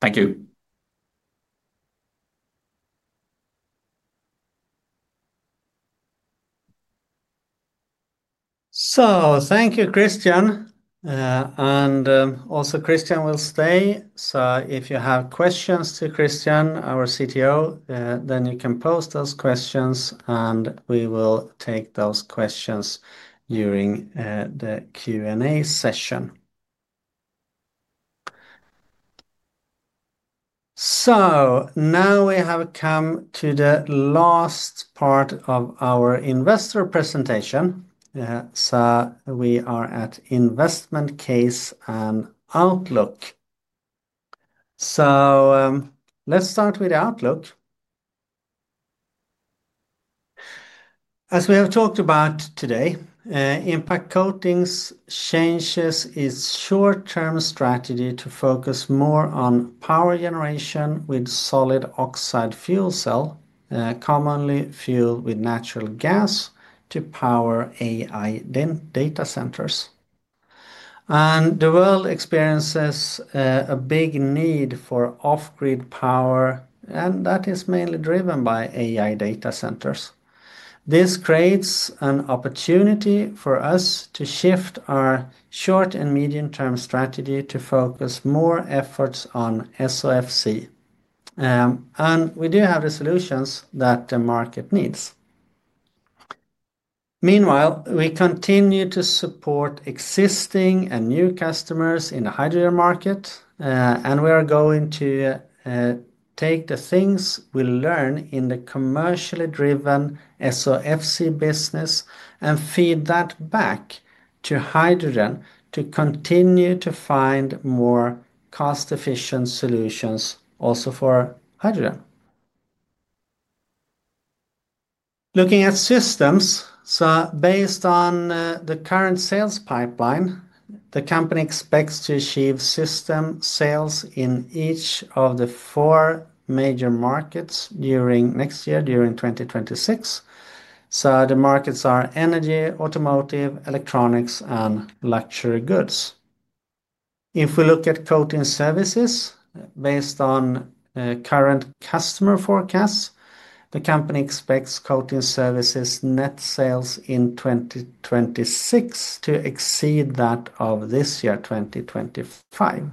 Thank you. Thank you, Kristian. Also, Kristian will stay. If you have questions to Kristian, our CTO, then you can post those questions, and we will take those questions during the Q&A session. Now we have come to the last part of our investor presentation. We are at investment case and outlook. Let's start with outlook. As we have talked about today, Impact Coatings changes its short-term strategy to focus more on power generation with solid oxide fuel cell, commonly fueled with natural gas, to power AI data centers. The world experiences a big need for off-grid power, and that is mainly driven by AI data centers. This creates an opportunity for us to shift our short and medium-term strategy to focus more efforts on SOFC. We do have the solutions that the market needs. Meanwhile, we continue to support existing and new customers in the hydrogen market, and we are going to take the things we learn in the commercially driven SOFC business and feed that back to hydrogen to continue to find more cost-efficient solutions also for hydrogen. Looking at systems, based on the current sales pipeline, the company expects to achieve system sales in each of the four major markets during next year, during 2026. The markets are energy, automotive, electronics, and luxury goods. If we look at coating services based on current customer forecasts, the company expects coating services net sales in 2026 to exceed that of this year, 2025.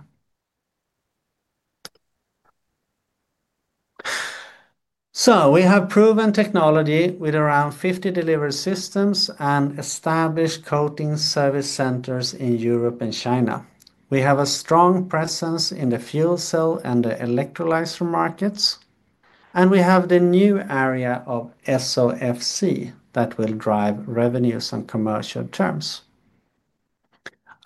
We have proven technology with around 50 delivery systems and established coating service centers in Europe and China. We have a strong presence in the fuel cell and the electrolyzer markets, and we have the new area of SOFC that will drive revenues on commercial terms.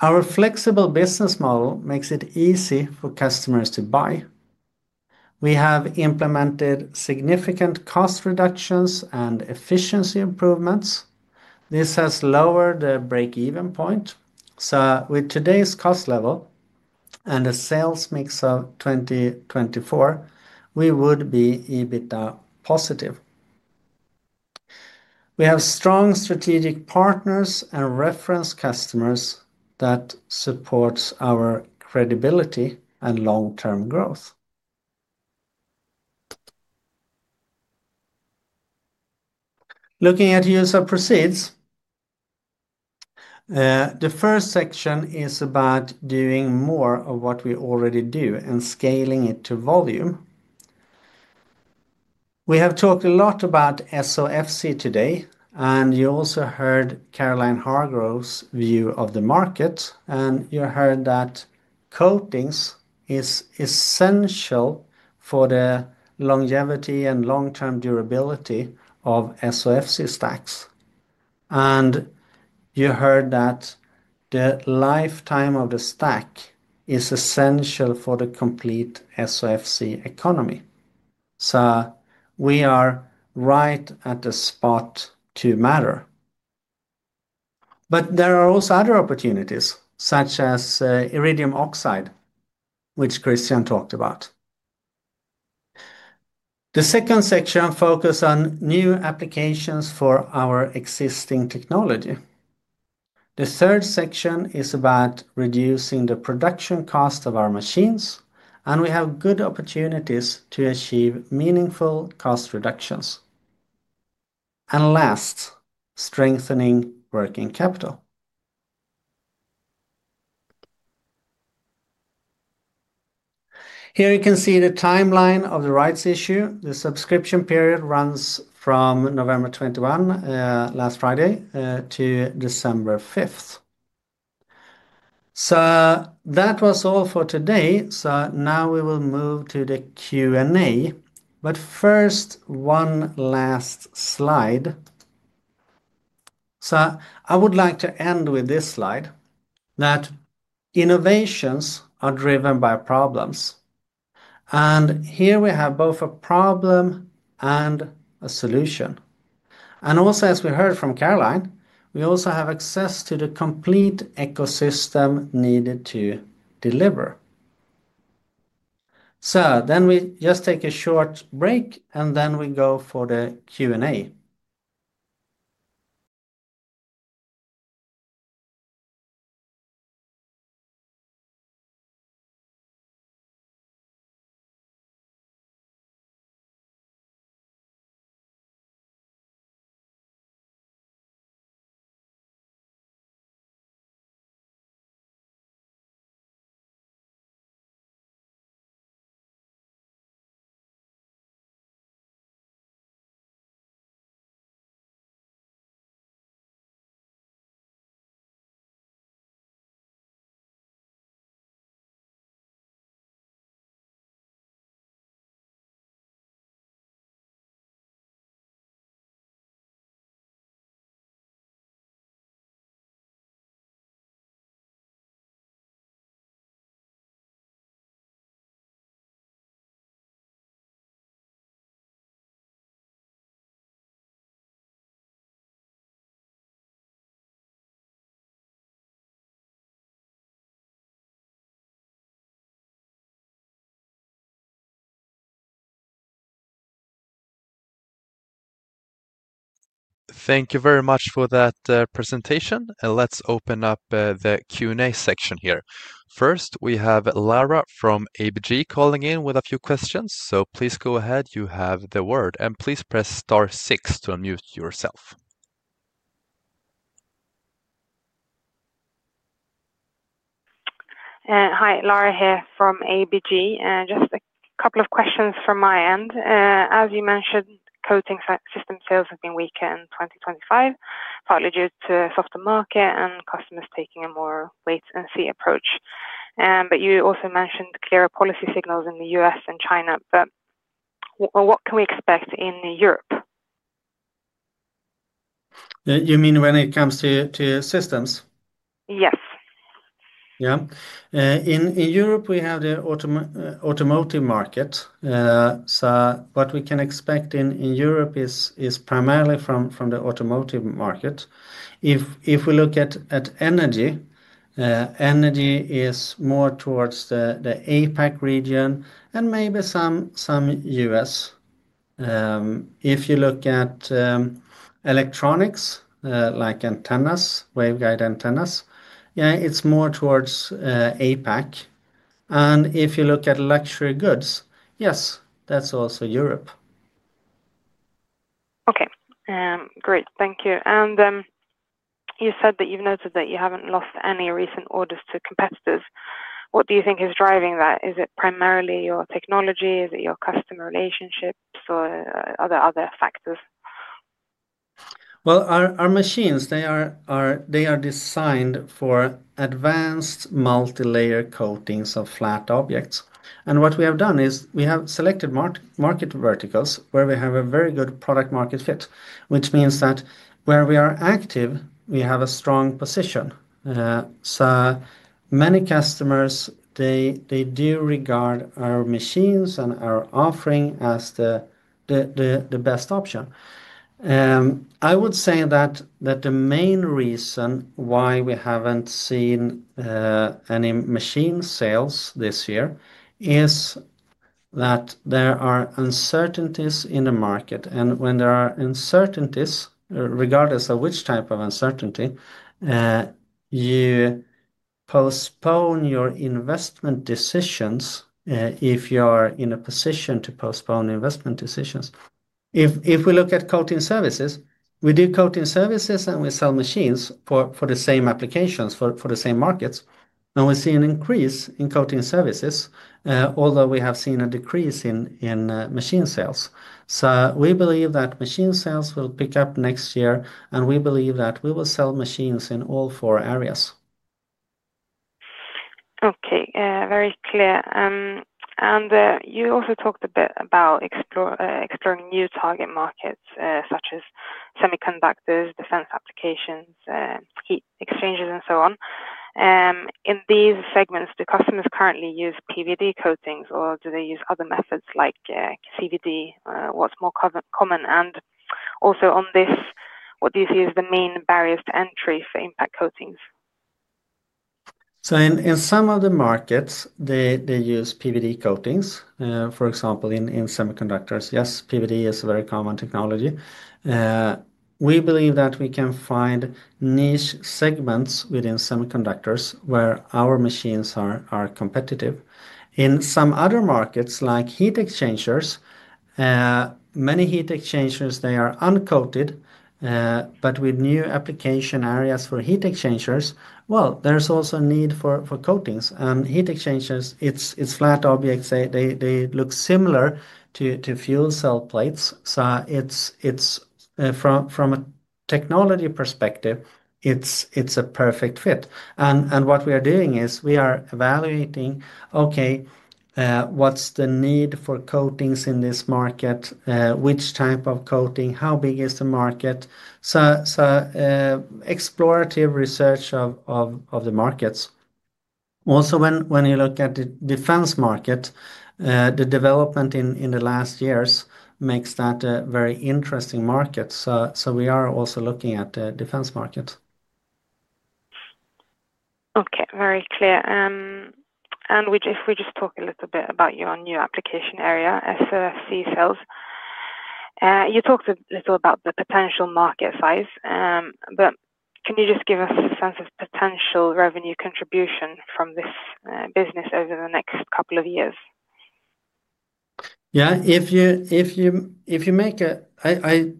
Our flexible business model makes it easy for customers to buy. We have implemented significant cost reductions and efficiency improvements. This has lowered the break-even point. With today's cost level and a sales mix of 2024, we would be EBITDA positive. We have strong strategic partners and reference customers that support our credibility and long-term growth. Looking at user proceeds, the first section is about doing more of what we already do and scaling it to volume. We have talked a lot about SOFC today, and you also heard Caroline Hargrove's view of the market, and you heard that coatings are essential for the longevity and long-term durability of SOFC stacks. You heard that the lifetime of the stack is essential for the complete SOFC economy. We are right at the spot to matter. There are also other opportunities, such as iridium oxide, which Kristian talked about. The second section focuses on new applications for our existing technology. The third section is about reducing the production cost of our machines, and we have good opportunities to achieve meaningful cost reductions. Last, strengthening working capital. Here you can see the timeline of the rights issue. The subscription period runs from November 21, last Friday, to December 5. That was all for today. Now we will move to the Q&A. First, one last slide. I would like to end with this slide that innovations are driven by problems. Here we have both a problem and a solution. Also, as we heard from Caroline, we also have access to the complete ecosystem needed to deliver. We will take a short break, and then we go for the Q&A. Thank you very much for that presentation. Let's open up the Q&A section here. First, we have Lara from ABG calling in with a few questions. Please go ahead. You have the word. Please press star six to unmute yourself. Hi, Lara here from ABG. Just a couple of questions from my end. As you mentioned, coating system sales have been weaker in 2025, partly due to softer market and customers taking a more wait-and-see approach. You also mentioned clearer policy signals in the U.S. and China. What can we expect in Europe? You mean when it comes to systems? Yes. In Europe, we have the automotive market. What we can expect in Europe is primarily from the automotive market. If we look at energy, energy is more towards the APAC region and maybe some U.S. If you look at electronics, like antennas, waveguide antennas, it is more towards APAC. If you look at luxury goods, yes, that's also Europe. Okay. Great. Thank you. You said that you've noted that you haven't lost any recent orders to competitors. What do you think is driving that? Is it primarily your technology? Is it your customer relationships or are there other factors? Our machines, they are designed for advanced multi-layer coatings of flat objects. What we have done is we have selected market verticals where we have a very good product-market fit, which means that where we are active, we have a strong position. Many customers, they do regard our machines and our offering as the best option. I would say that the main reason why we haven't seen any machine sales this year is that there are uncertainties in the market. When there are uncertainties, regardless of which type of uncertainty, you postpone your investment decisions if you are in a position to postpone investment decisions. If we look at coating services, we do coating services and we sell machines for the same applications, for the same markets. We see an increase in coating services, although we have seen a decrease in machine sales. We believe that machine sales will pick up next year, and we believe that we will sell machines in all four areas. Very clear. You also talked a bit about exploring new target markets such as semiconductors, defense applications, heat exchangers, and so on. In these segments, do customers currently use PVD coatings, or do they use other methods like CVD, what's more common? Also on this, what do you see as the main barriers to entry for Impact Coatings? In some of the markets, they use PVD coatings. For example, in semiconductors, yes, PVD is a very common technology. We believe that we can find niche segments within semiconductors where our machines are competitive. In some other markets, like heat exchangers, many heat exchangers, they are uncoated, but with new application areas for heat exchangers, there's also a need for coatings. Heat exchangers are flat objects. They look similar to fuel cell plates. From a technology perspective, it's a perfect fit. What we are doing is we are evaluating, okay, what's the need for coatings in this market, which type of coating, how big is the market? Explorative research of the markets. Also, when you look at the defense market, the development in the last years makes that a very interesting market. We are also looking at the defense market. Okay. Very clear. If we just talk a little bit about your new application area, SOFC sales, you talked a little about the potential market size, but can you just give us a sense of potential revenue contribution from this business over the next couple of years? Yeah. If you make a,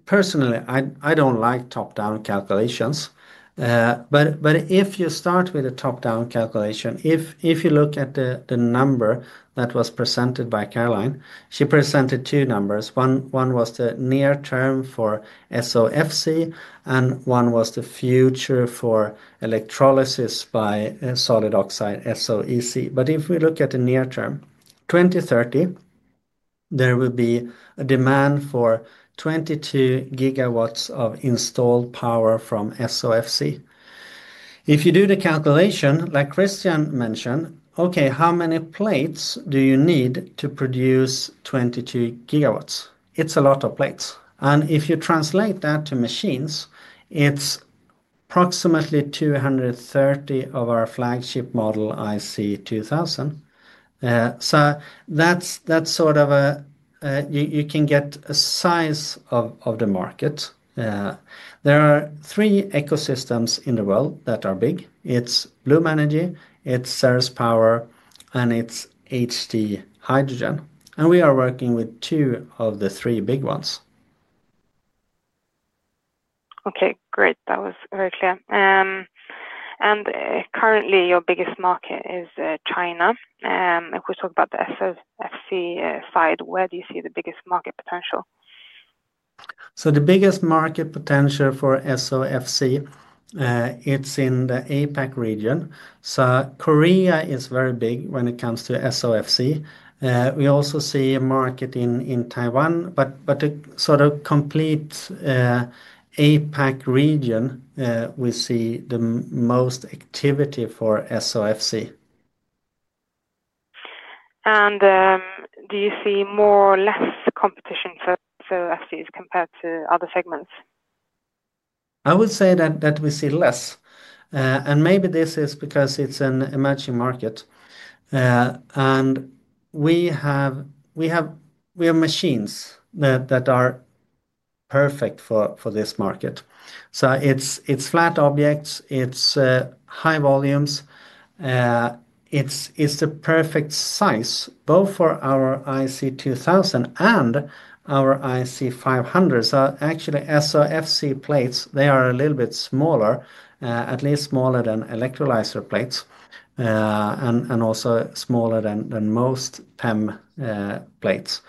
personally, I do not like top-down calculations. If you start with a top-down calculation, if you look at the number that was presented by Caroline, she presented two numbers. One was the near-term for SOFC, and one was the future for electrolysis by solid oxide, SOEC. If we look at the near-term, 2030, there will be a demand for 22 GW of installed power from SOFC. If you do the calculation, like Kristian mentioned, okay, how many plates do you need to produce 22 GW? It is a lot of plates. If you translate that to machines, it's approximately 230 of our flagship model, IC2000. That's sort of a, you can get a size of the market. There are three ecosystems in the world that are big. It's Bloom Energy, it's Ceres Power, and it's HD Hydrogen. We are working with two of the three big ones. Okay. Great. That was very clear. Currently, your biggest market is China. If we talk about the SOFC side, where do you see the biggest market potential? The biggest market potential for SOFC, it's in the APAC region. Korea is very big when it comes to SOFC. We also see a market in Taiwan. The complete APAC region, we see the most activity for SOFC. Do you see more or less competition for SOFCs compared to other segments? I would say that we see less. Maybe this is because it's an emerging market. We have machines that are perfect for this market. It's flat objects, it's high volumes. It's the perfect size, both for our IC2000 and our IC500. Actually, SOFC plates, they are a little bit smaller, at least smaller than electrolyzer plates, and also smaller than most PEM plates.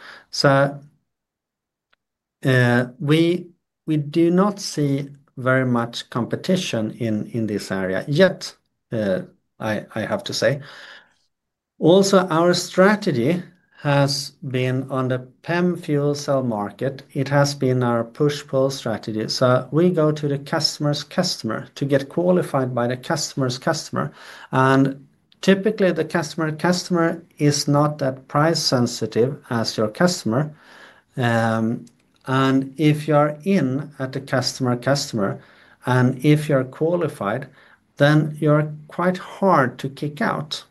We do not see very much competition in this area yet, I have to say. Also, our strategy has been on the PEM fuel cell market. It has been our push-pull strategy. We go to the customer's customer to get qualified by the customer's customer. Typically, the customer's customer is not that price-sensitive as your customer. If you're in at the customer's customer, and if you're qualified, then you're quite hard to kick out.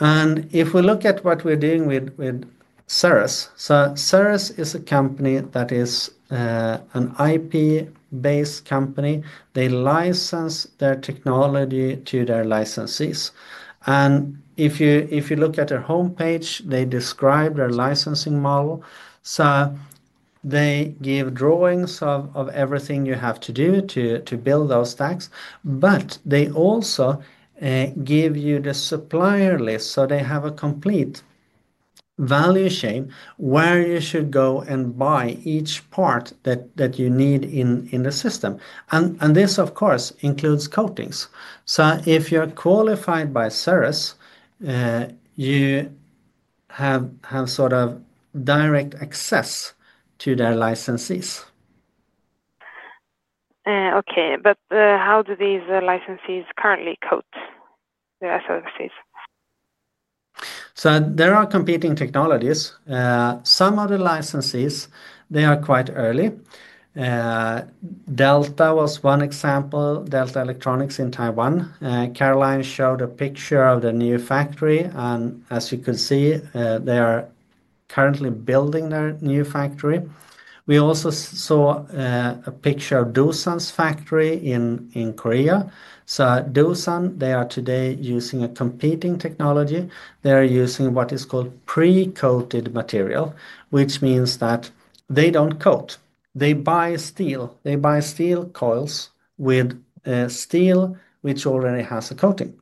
If we look at what we're doing with Ceres, Ceres is a company that is an IP-based company. They license their technology to their licensees. If you look at their homepage, they describe their licensing model. They give drawings of everything you have to do to build those stacks. They also give you the supplier list. They have a complete value chain where you should go and buy each part that you need in the system. This, of course, includes coatings. If you're qualified by Ceres, you have sort of direct access to their licensees. Okay. How do these licensees currently coat the SOFCs? There are competing technologies. Some of the licensees are quite early. Delta was one example, Delta Electronics in Taiwan. Caroline showed a picture of their new factory. As you can see, they are currently building their new factory. We also saw a picture of Doosan's factory in Korea. Doosan, they are today using a competing technology. They are using what is called pre-coated material, which means that they do not coat. They buy steel. They buy steel coils with steel which already has a coating.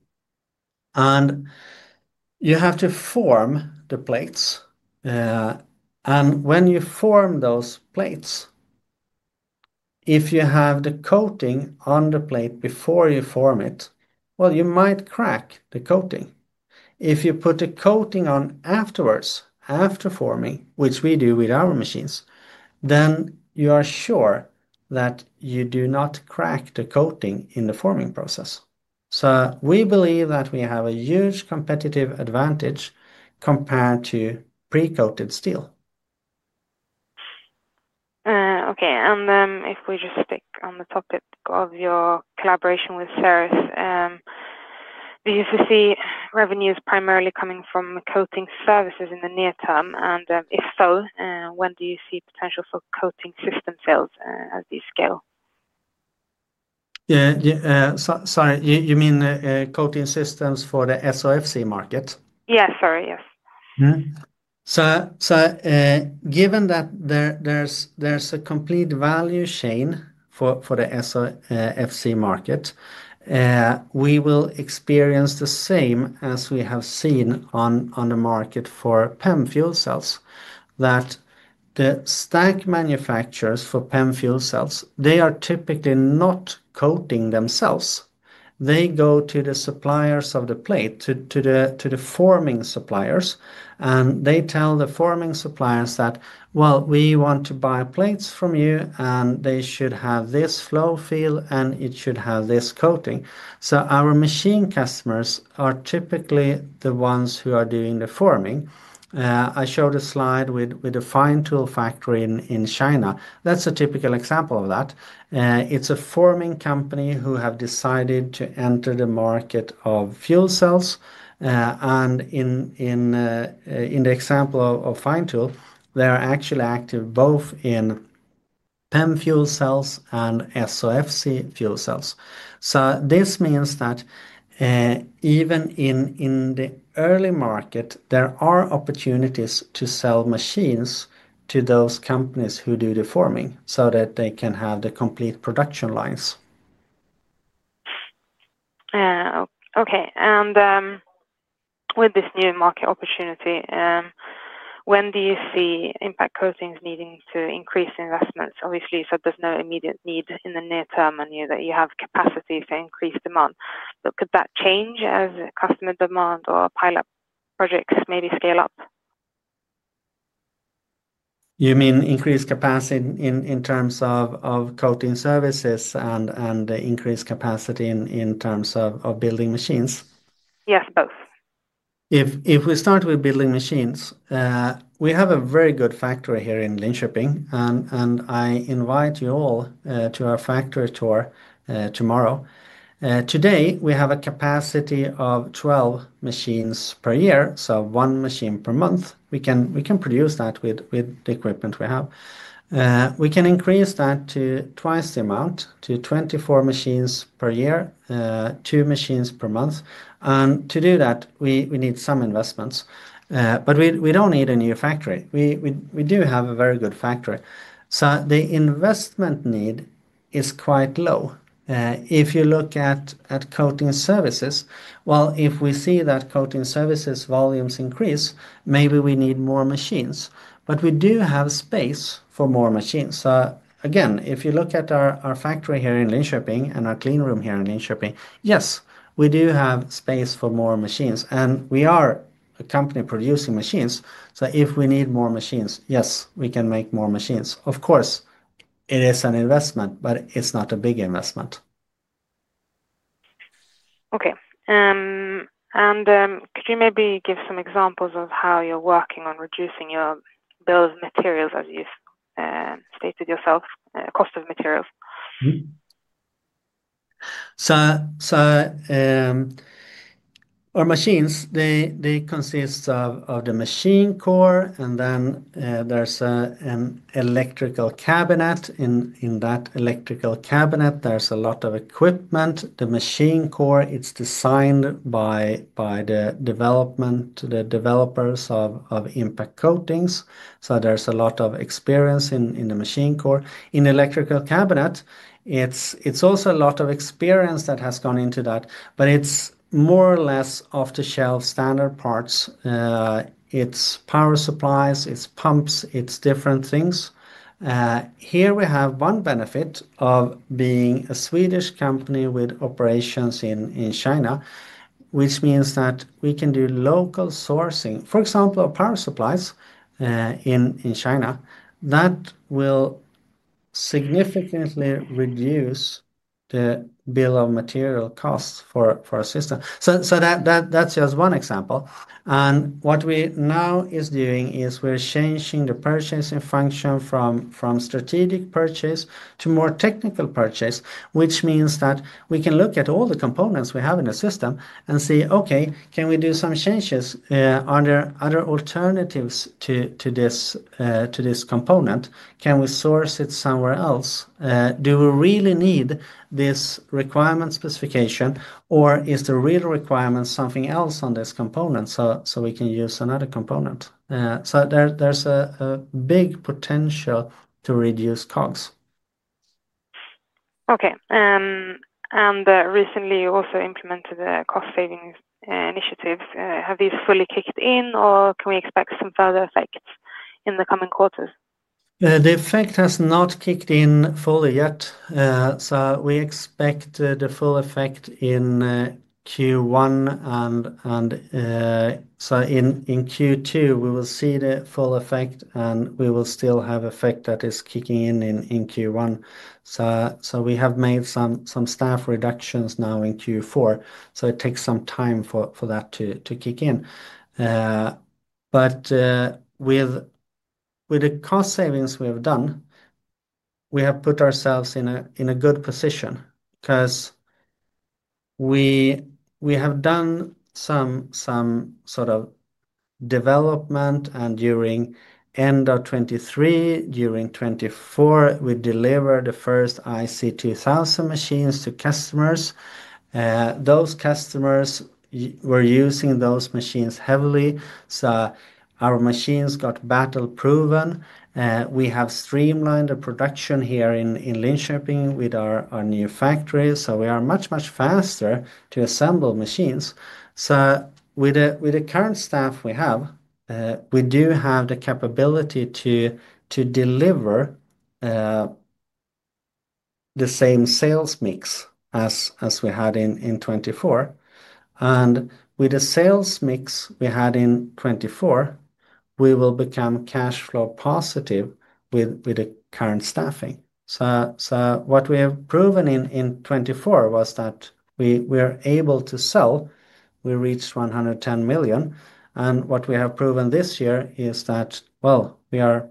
You have to form the plates. When you form those plates, if you have the coating on the plate before you form it, you might crack the coating. If you put the coating on afterwards, after forming, which we do with our machines, then you are sure that you do not crack the coating in the forming process. We believe that we have a huge competitive advantage compared to pre-coated steel. Okay. If we just stick on the topic of your collaboration with Ceres, do you foresee revenues primarily coming from coating services in the near term? If so, when do you see potential for coating system sales as these scale? Yeah. Sorry. You mean coating systems for the SOFC market? Yes. Sorry. Yes. Given that there is a complete value chain for the SOFC market, we will experience the same as we have seen on the market for PEM fuel cells, that the stack manufacturers for PEM fuel cells, they are typically not coating themselves. They go to the suppliers of the plate, to the forming suppliers, and they tell the forming suppliers that, "We want to buy plates from you, and they should have this flow field, and it should have this coating." Our machine customers are typically the ones who are doing the forming. I showed a slide with a Fine Tool factory in China. That's a typical example of that. It's a forming company who have decided to enter the market of fuel cells. In the example of Fine Tool, they are actually active both in PEM fuel cells and SOFC fuel cells. This means that even in the early market, there are opportunities to sell machines to those companies who do the forming so that they can have the complete production lines. Okay. With this new market opportunity, when do you see Impact Coatings needing to increase investments? Obviously, there's no immediate need in the near term and you have capacity to increase demand. Could that change as customer demand or pilot projects maybe scale up? You mean increase capacity in terms of coating services and increase capacity in terms of building machines? Yes, both. If we start with building machines, we have a very good factory here in Linköping, and I invite you all to our factory tour tomorrow. Today, we have a capacity of 12 machines per year, so one machine per month. We can produce that with the equipment we have. We can increase that to twice the amount, to 24 machines per year, two machines per month. To do that, we need some investments. We do not need a new factory. We do have a very good factory. The investment need is quite low. If you look at coating services, if we see that coating services volumes increase, maybe we need more machines. We do have space for more machines. If you look at our factory here in Linköping and our cleanroom here in Linköping, yes, we do have space for more machines. We are a company producing machines. If we need more machines, yes, we can make more machines. Of course, it is an investment, but it's not a big investment. Could you maybe give some examples of how you're working on reducing your bill of materials, as you stated yourself, cost of materials? Our machines consist of the machine core, and then there's an electrical cabinet. In that electrical cabinet, there's a lot of equipment. The machine core is designed by the developers of Impact Coatings. There is a lot of experience in the machine core. In the electrical cabinet, it's also a lot of experience that has gone into that, but it's more or less off-the-shelf standard parts. It's power supplies, it's pumps, it's different things. Here we have one benefit of being a Swedish company with operations in China, which means that we can do local sourcing. For example, power supplies in China, that will significantly reduce the bill of material costs for our system. That is just one example. What we now are doing is we're changing the purchasing function from strategic purchase to more technical purchase, which means that we can look at all the components we have in the system and see, "Okay, can we do some changes? Are there other alternatives to this component? Can we source it somewhere else? Do we really need this requirement specification, or is the real requirement something else on this component so we can use another component?" There is a big potential to reduce costs. Okay. Recently, you also implemented the cost-saving initiatives. Have these fully kicked in, or can we expect some further effects in the coming quarters? The effect has not kicked in fully yet. We expect the full effect in Q1. In Q2, we will see the full effect, and we will still have effect that is kicking in in Q1. We have made some staff reductions now in Q4. It takes some time for that to kick in. With the cost savings we have done, we have put ourselves in a good position because we have done some sort of development. During end of 2023, during 2024, we delivered the first IC2000 machines to customers. Those customers were using those machines heavily. Our machines got battle proven. We have streamlined the production here in Linköping with our new factory. We are much, much faster to assemble machines. With the current staff we have, we do have the capability to deliver the same sales mix as we had in 2024. With the sales mix we had in 2024, we will become cash flow positive with the current staffing. What we have proven in 2024 was that we are able to sell. We reached 110 million. What we have proven this year is that, actually, we are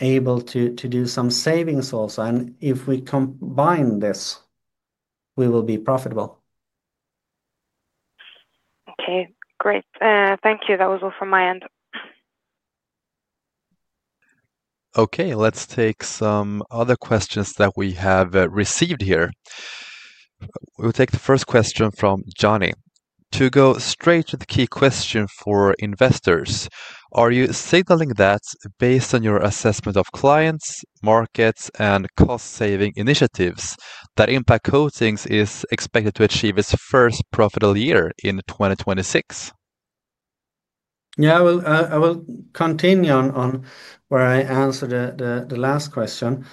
able to do some savings also. If we combine this, we will be profitable. Okay. Great. Thank you. That was all from my end. Okay. Let's take some other questions that we have received here. We'll take the first question from Johnny. To go straight to the key question for investors, are you signaling that based on your assessment of clients, markets, and cost-saving initiatives that Impact Coatings is expected to achieve its first profitable year in 2026? Yeah. I will continue on where I answered the last question.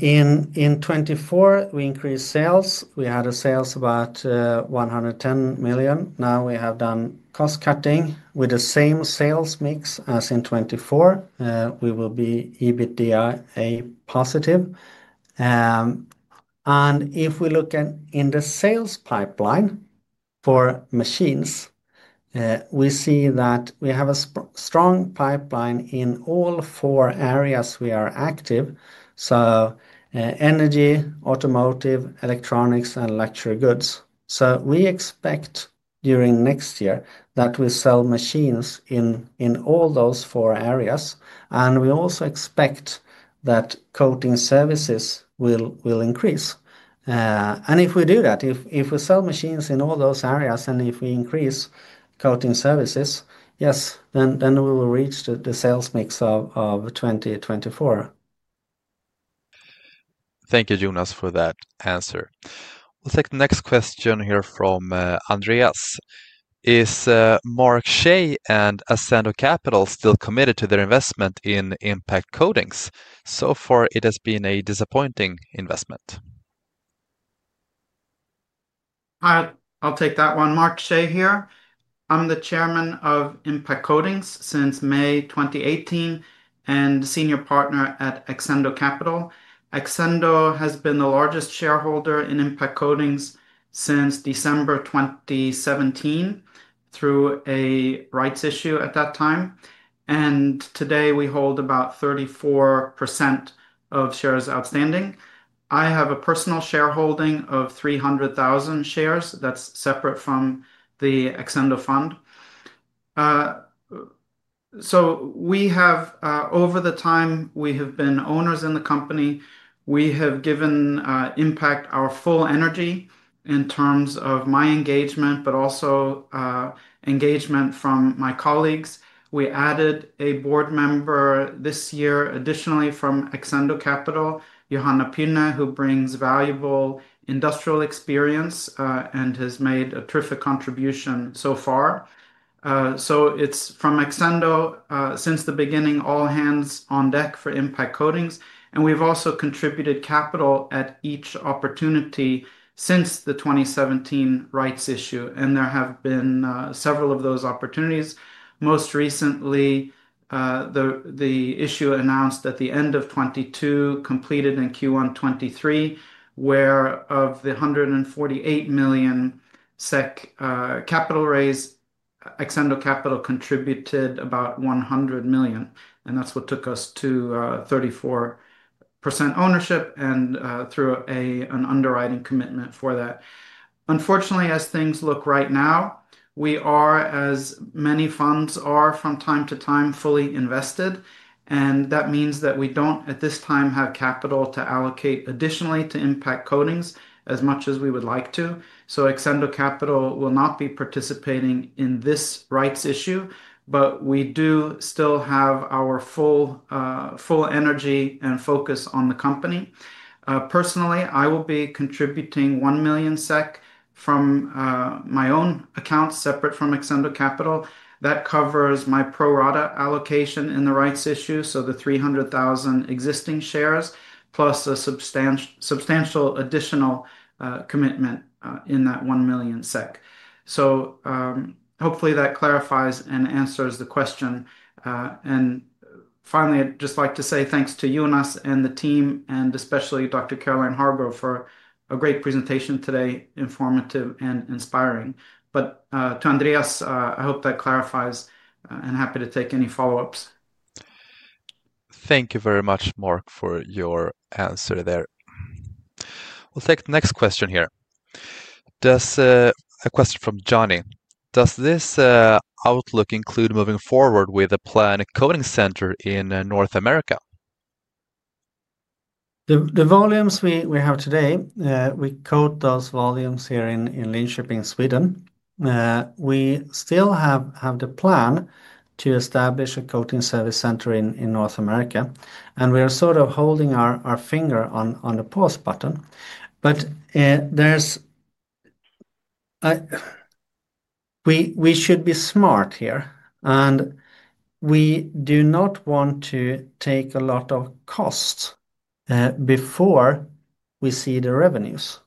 In 2024, we increased sales. We had sales about 110 million. Now we have done cost cutting with the same sales mix as in 2024. We will be EBITDA positive. If we look in the sales pipeline for machines, we see that we have a strong pipeline in all four areas we are active: energy, automotive, electronics, and luxury goods. We expect during next year that we sell machines in all those four areas. We also expect that coating services will increase. If we do that, if we sell machines in all those areas and if we increase coating services, yes, we will reach the sales mix of 2024. Thank you, Jonas, for that answer. We'll take the next question here from Andreas. Is Mark Shay and Exendo Capital still committed to their investment in Impact Coatings? So far, it has been a disappointing investment. I'll take that one. Mark Shay here. I'm the Chairman of Impact Coatings since May 2018 and Senior Partner at Exendo Capital. Exendo has been the largest shareholder in Impact Coatings since December 2017 through a rights issue at that time. Today, we hold about 34% of shares outstanding. I have a personal shareholding of 300,000 shares that's separate from the Exendo fund. Over the time, we have been owners in the company. We have given Impact our full energy in terms of my engagement, but also engagement from my colleagues. We added a board member this year additionally from Exendo Capital, Johanna Pynne, who brings valuable industrial experience and has made a terrific contribution so far. From Exendo, since the beginning, all hands on deck for Impact Coatings. We have also contributed capital at each opportunity since the 2017 rights issue. There have been several of those opportunities. Most recently, the issue announced at the end of 2022, completed in Q1 2023, where of the 148 million SEK capital raise, Exendo Capital contributed about 100 million. That is what took us to 34% ownership and through an underwriting commitment for that. Unfortunately, as things look right now, we are, as many funds are from time to time, fully invested. That means that we do not at this time have capital to allocate additionally to Impact Coatings as much as we would like to. Exendo Capital will not be participating in this rights issue, but we do still have our full energy and focus on the company. Personally, I will be contributing 1 million SEK from my own account separate from Exendo Capital. That covers my pro-rata allocation in the rights issue, so the 300,000 existing shares, plus a substantial additional commitment in that 1 million SEK. Hopefully, that clarifies and answers the question. Finally, I would just like to say thanks to you and us and the team, and especially Dr. Caroline Hargrove for a great presentation today, informative and inspiring. To Andreas, I hope that clarifies and happy to take any follow-ups. Thank you very much, Mark, for your answer there. We'll take the next question here. A question from Johnny. Does this outlook include moving forward with a planned coating center in North America? The volumes we have today, we coat those volumes here in Linköping, Sweden. We still have the plan to establish a coating service center in North America. We are sort of holding our finger on the pause button. We should be smart here. We do not want to take a lot of costs before we see the revenues.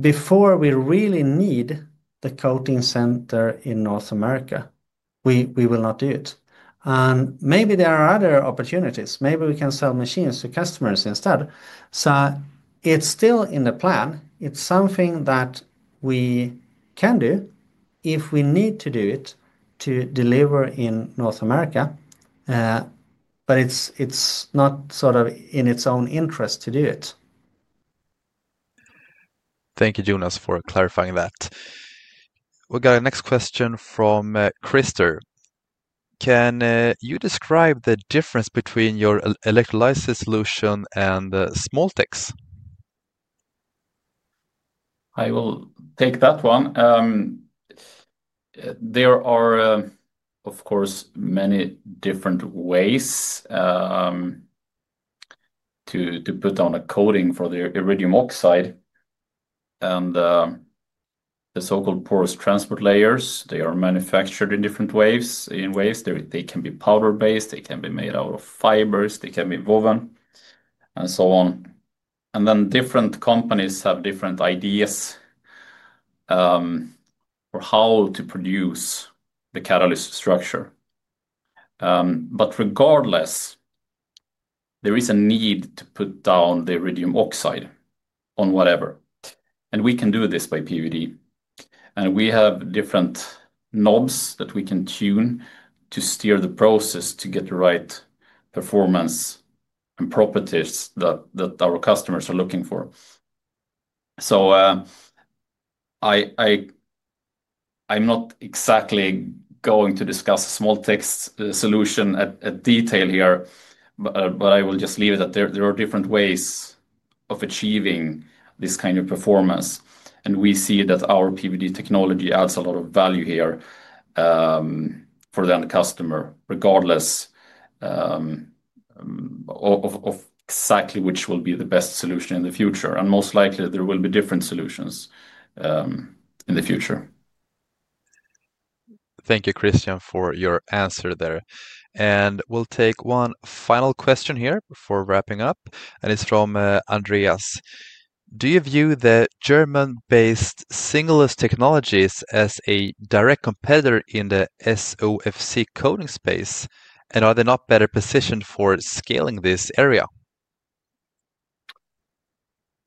Before we really need the coating center in North America, we will not do it. Maybe there are other opportunities. Maybe we can sell machines to customers instead. It is still in the plan. It is something that we can do if we need to do it to deliver in North America. It is not sort of in its own interest to do it. Thank you, Jonas, for clarifying that. We've got a next question from Krister. Can you describe the difference between your electrolysis solution and SmallTechs? I will take that one. There are, of course, many different ways to put on a coating for the iridium oxide and the so-called porous transport layers. They are manufactured in different ways. They can be powder-based. They can be made out of fibers. They can be woven and so on. Different companies have different ideas for how to produce the catalyst structure. Regardless, there is a need to put down the iridium oxide on whatever. We can do this by PVD. We have different knobs that we can tune to steer the process to get the right performance and properties that our customers are looking for. I'm not exactly going to discuss SmallTechs solution at detail here, but I will just leave it that there are different ways of achieving this kind of performance. We see that our PVD technology adds a lot of value here for the end customer, regardless of exactly which will be the best solution in the future. Most likely, there will be different solutions in the future. Thank you, Kristian, for your answer there. We'll take one final question here before wrapping up. It is from Andreas. Do you view the German-based Singulus Technologies as a direct competitor in the SOFC coating space? Are they not better positioned for scaling this area?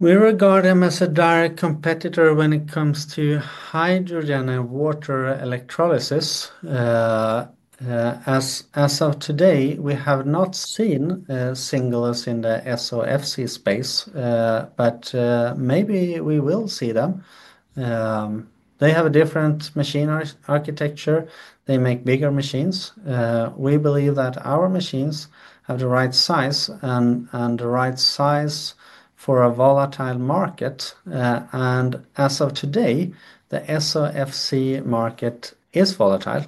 We regard them as a direct competitor when it comes to hydrogen and water electrolysis. As of today, we have not seen Singulus in the SOFC space, but maybe we will see them. They have a different machine architecture. They make bigger machines. We believe that our machines have the right size and the right size for a volatile market. As of today, the SOFC market is volatile.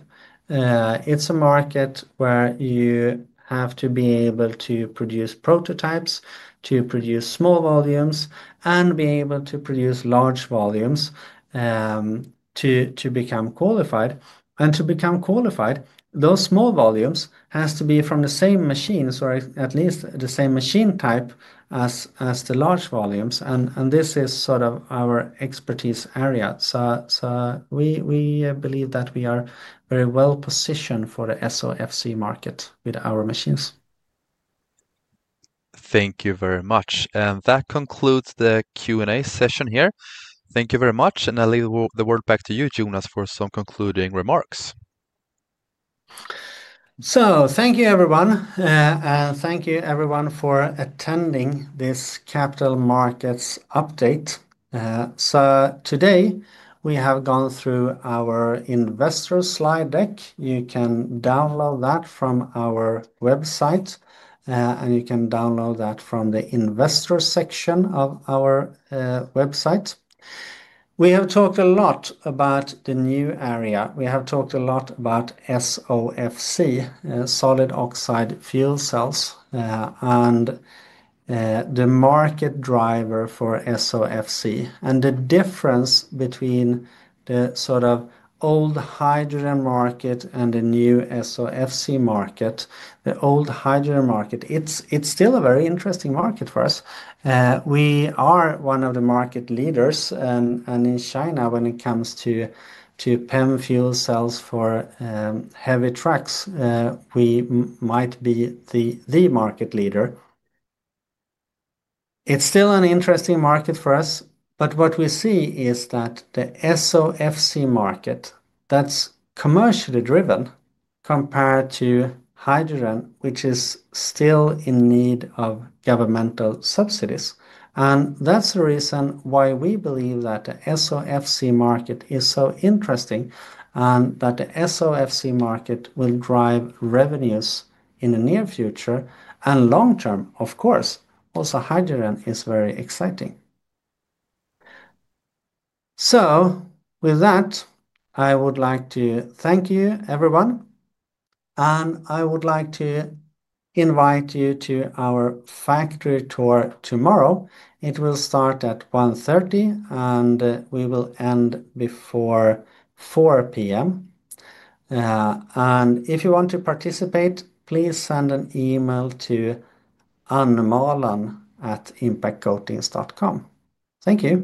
It's a market where you have to be able to produce prototypes, to produce small volumes, and be able to produce large volumes to become qualified. To become qualified, those small volumes have to be from the same machines or at least the same machine type as the large volumes. This is sort of our expertise area. We believe that we are very well positioned for the SOFC market with our machines. Thank you very much. That concludes the Q&A session here. Thank you very much. I'll leave the word back to you, Jonas, for some concluding remarks. Thank you, everyone. Thank you, everyone, for attending this Capital Markets Update. Today, we have gone through our investor slide deck. You can download that from our website. You can download that from the investor section of our website. We have talked a lot about the new area. We have talked a lot about SOFC, solid oxide fuel cells, and the market driver for SOFC. The difference between the sort of old hydrogen market and the new SOFC market, the old hydrogen market, it's still a very interesting market for us. We are one of the market leaders. In China, when it comes to PEM fuel cells for heavy trucks, we might be the market leader. It's still an interesting market for us. What we see is that the SOFC market, that's commercially driven compared to hydrogen, which is still in need of governmental subsidies. That is the reason why we believe that the SOFC market is so interesting and that the SOFC market will drive revenues in the near future and long term, of course. Also, hydrogen is very exciting. With that, I would like to thank you, everyone. I would like to invite you to our factory tour tomorrow. It will start at 1:30 P.M., and we will end before 4:00 P.M. If you want to participate, please send an email to anmalen@impactcoatings.com. Thank you.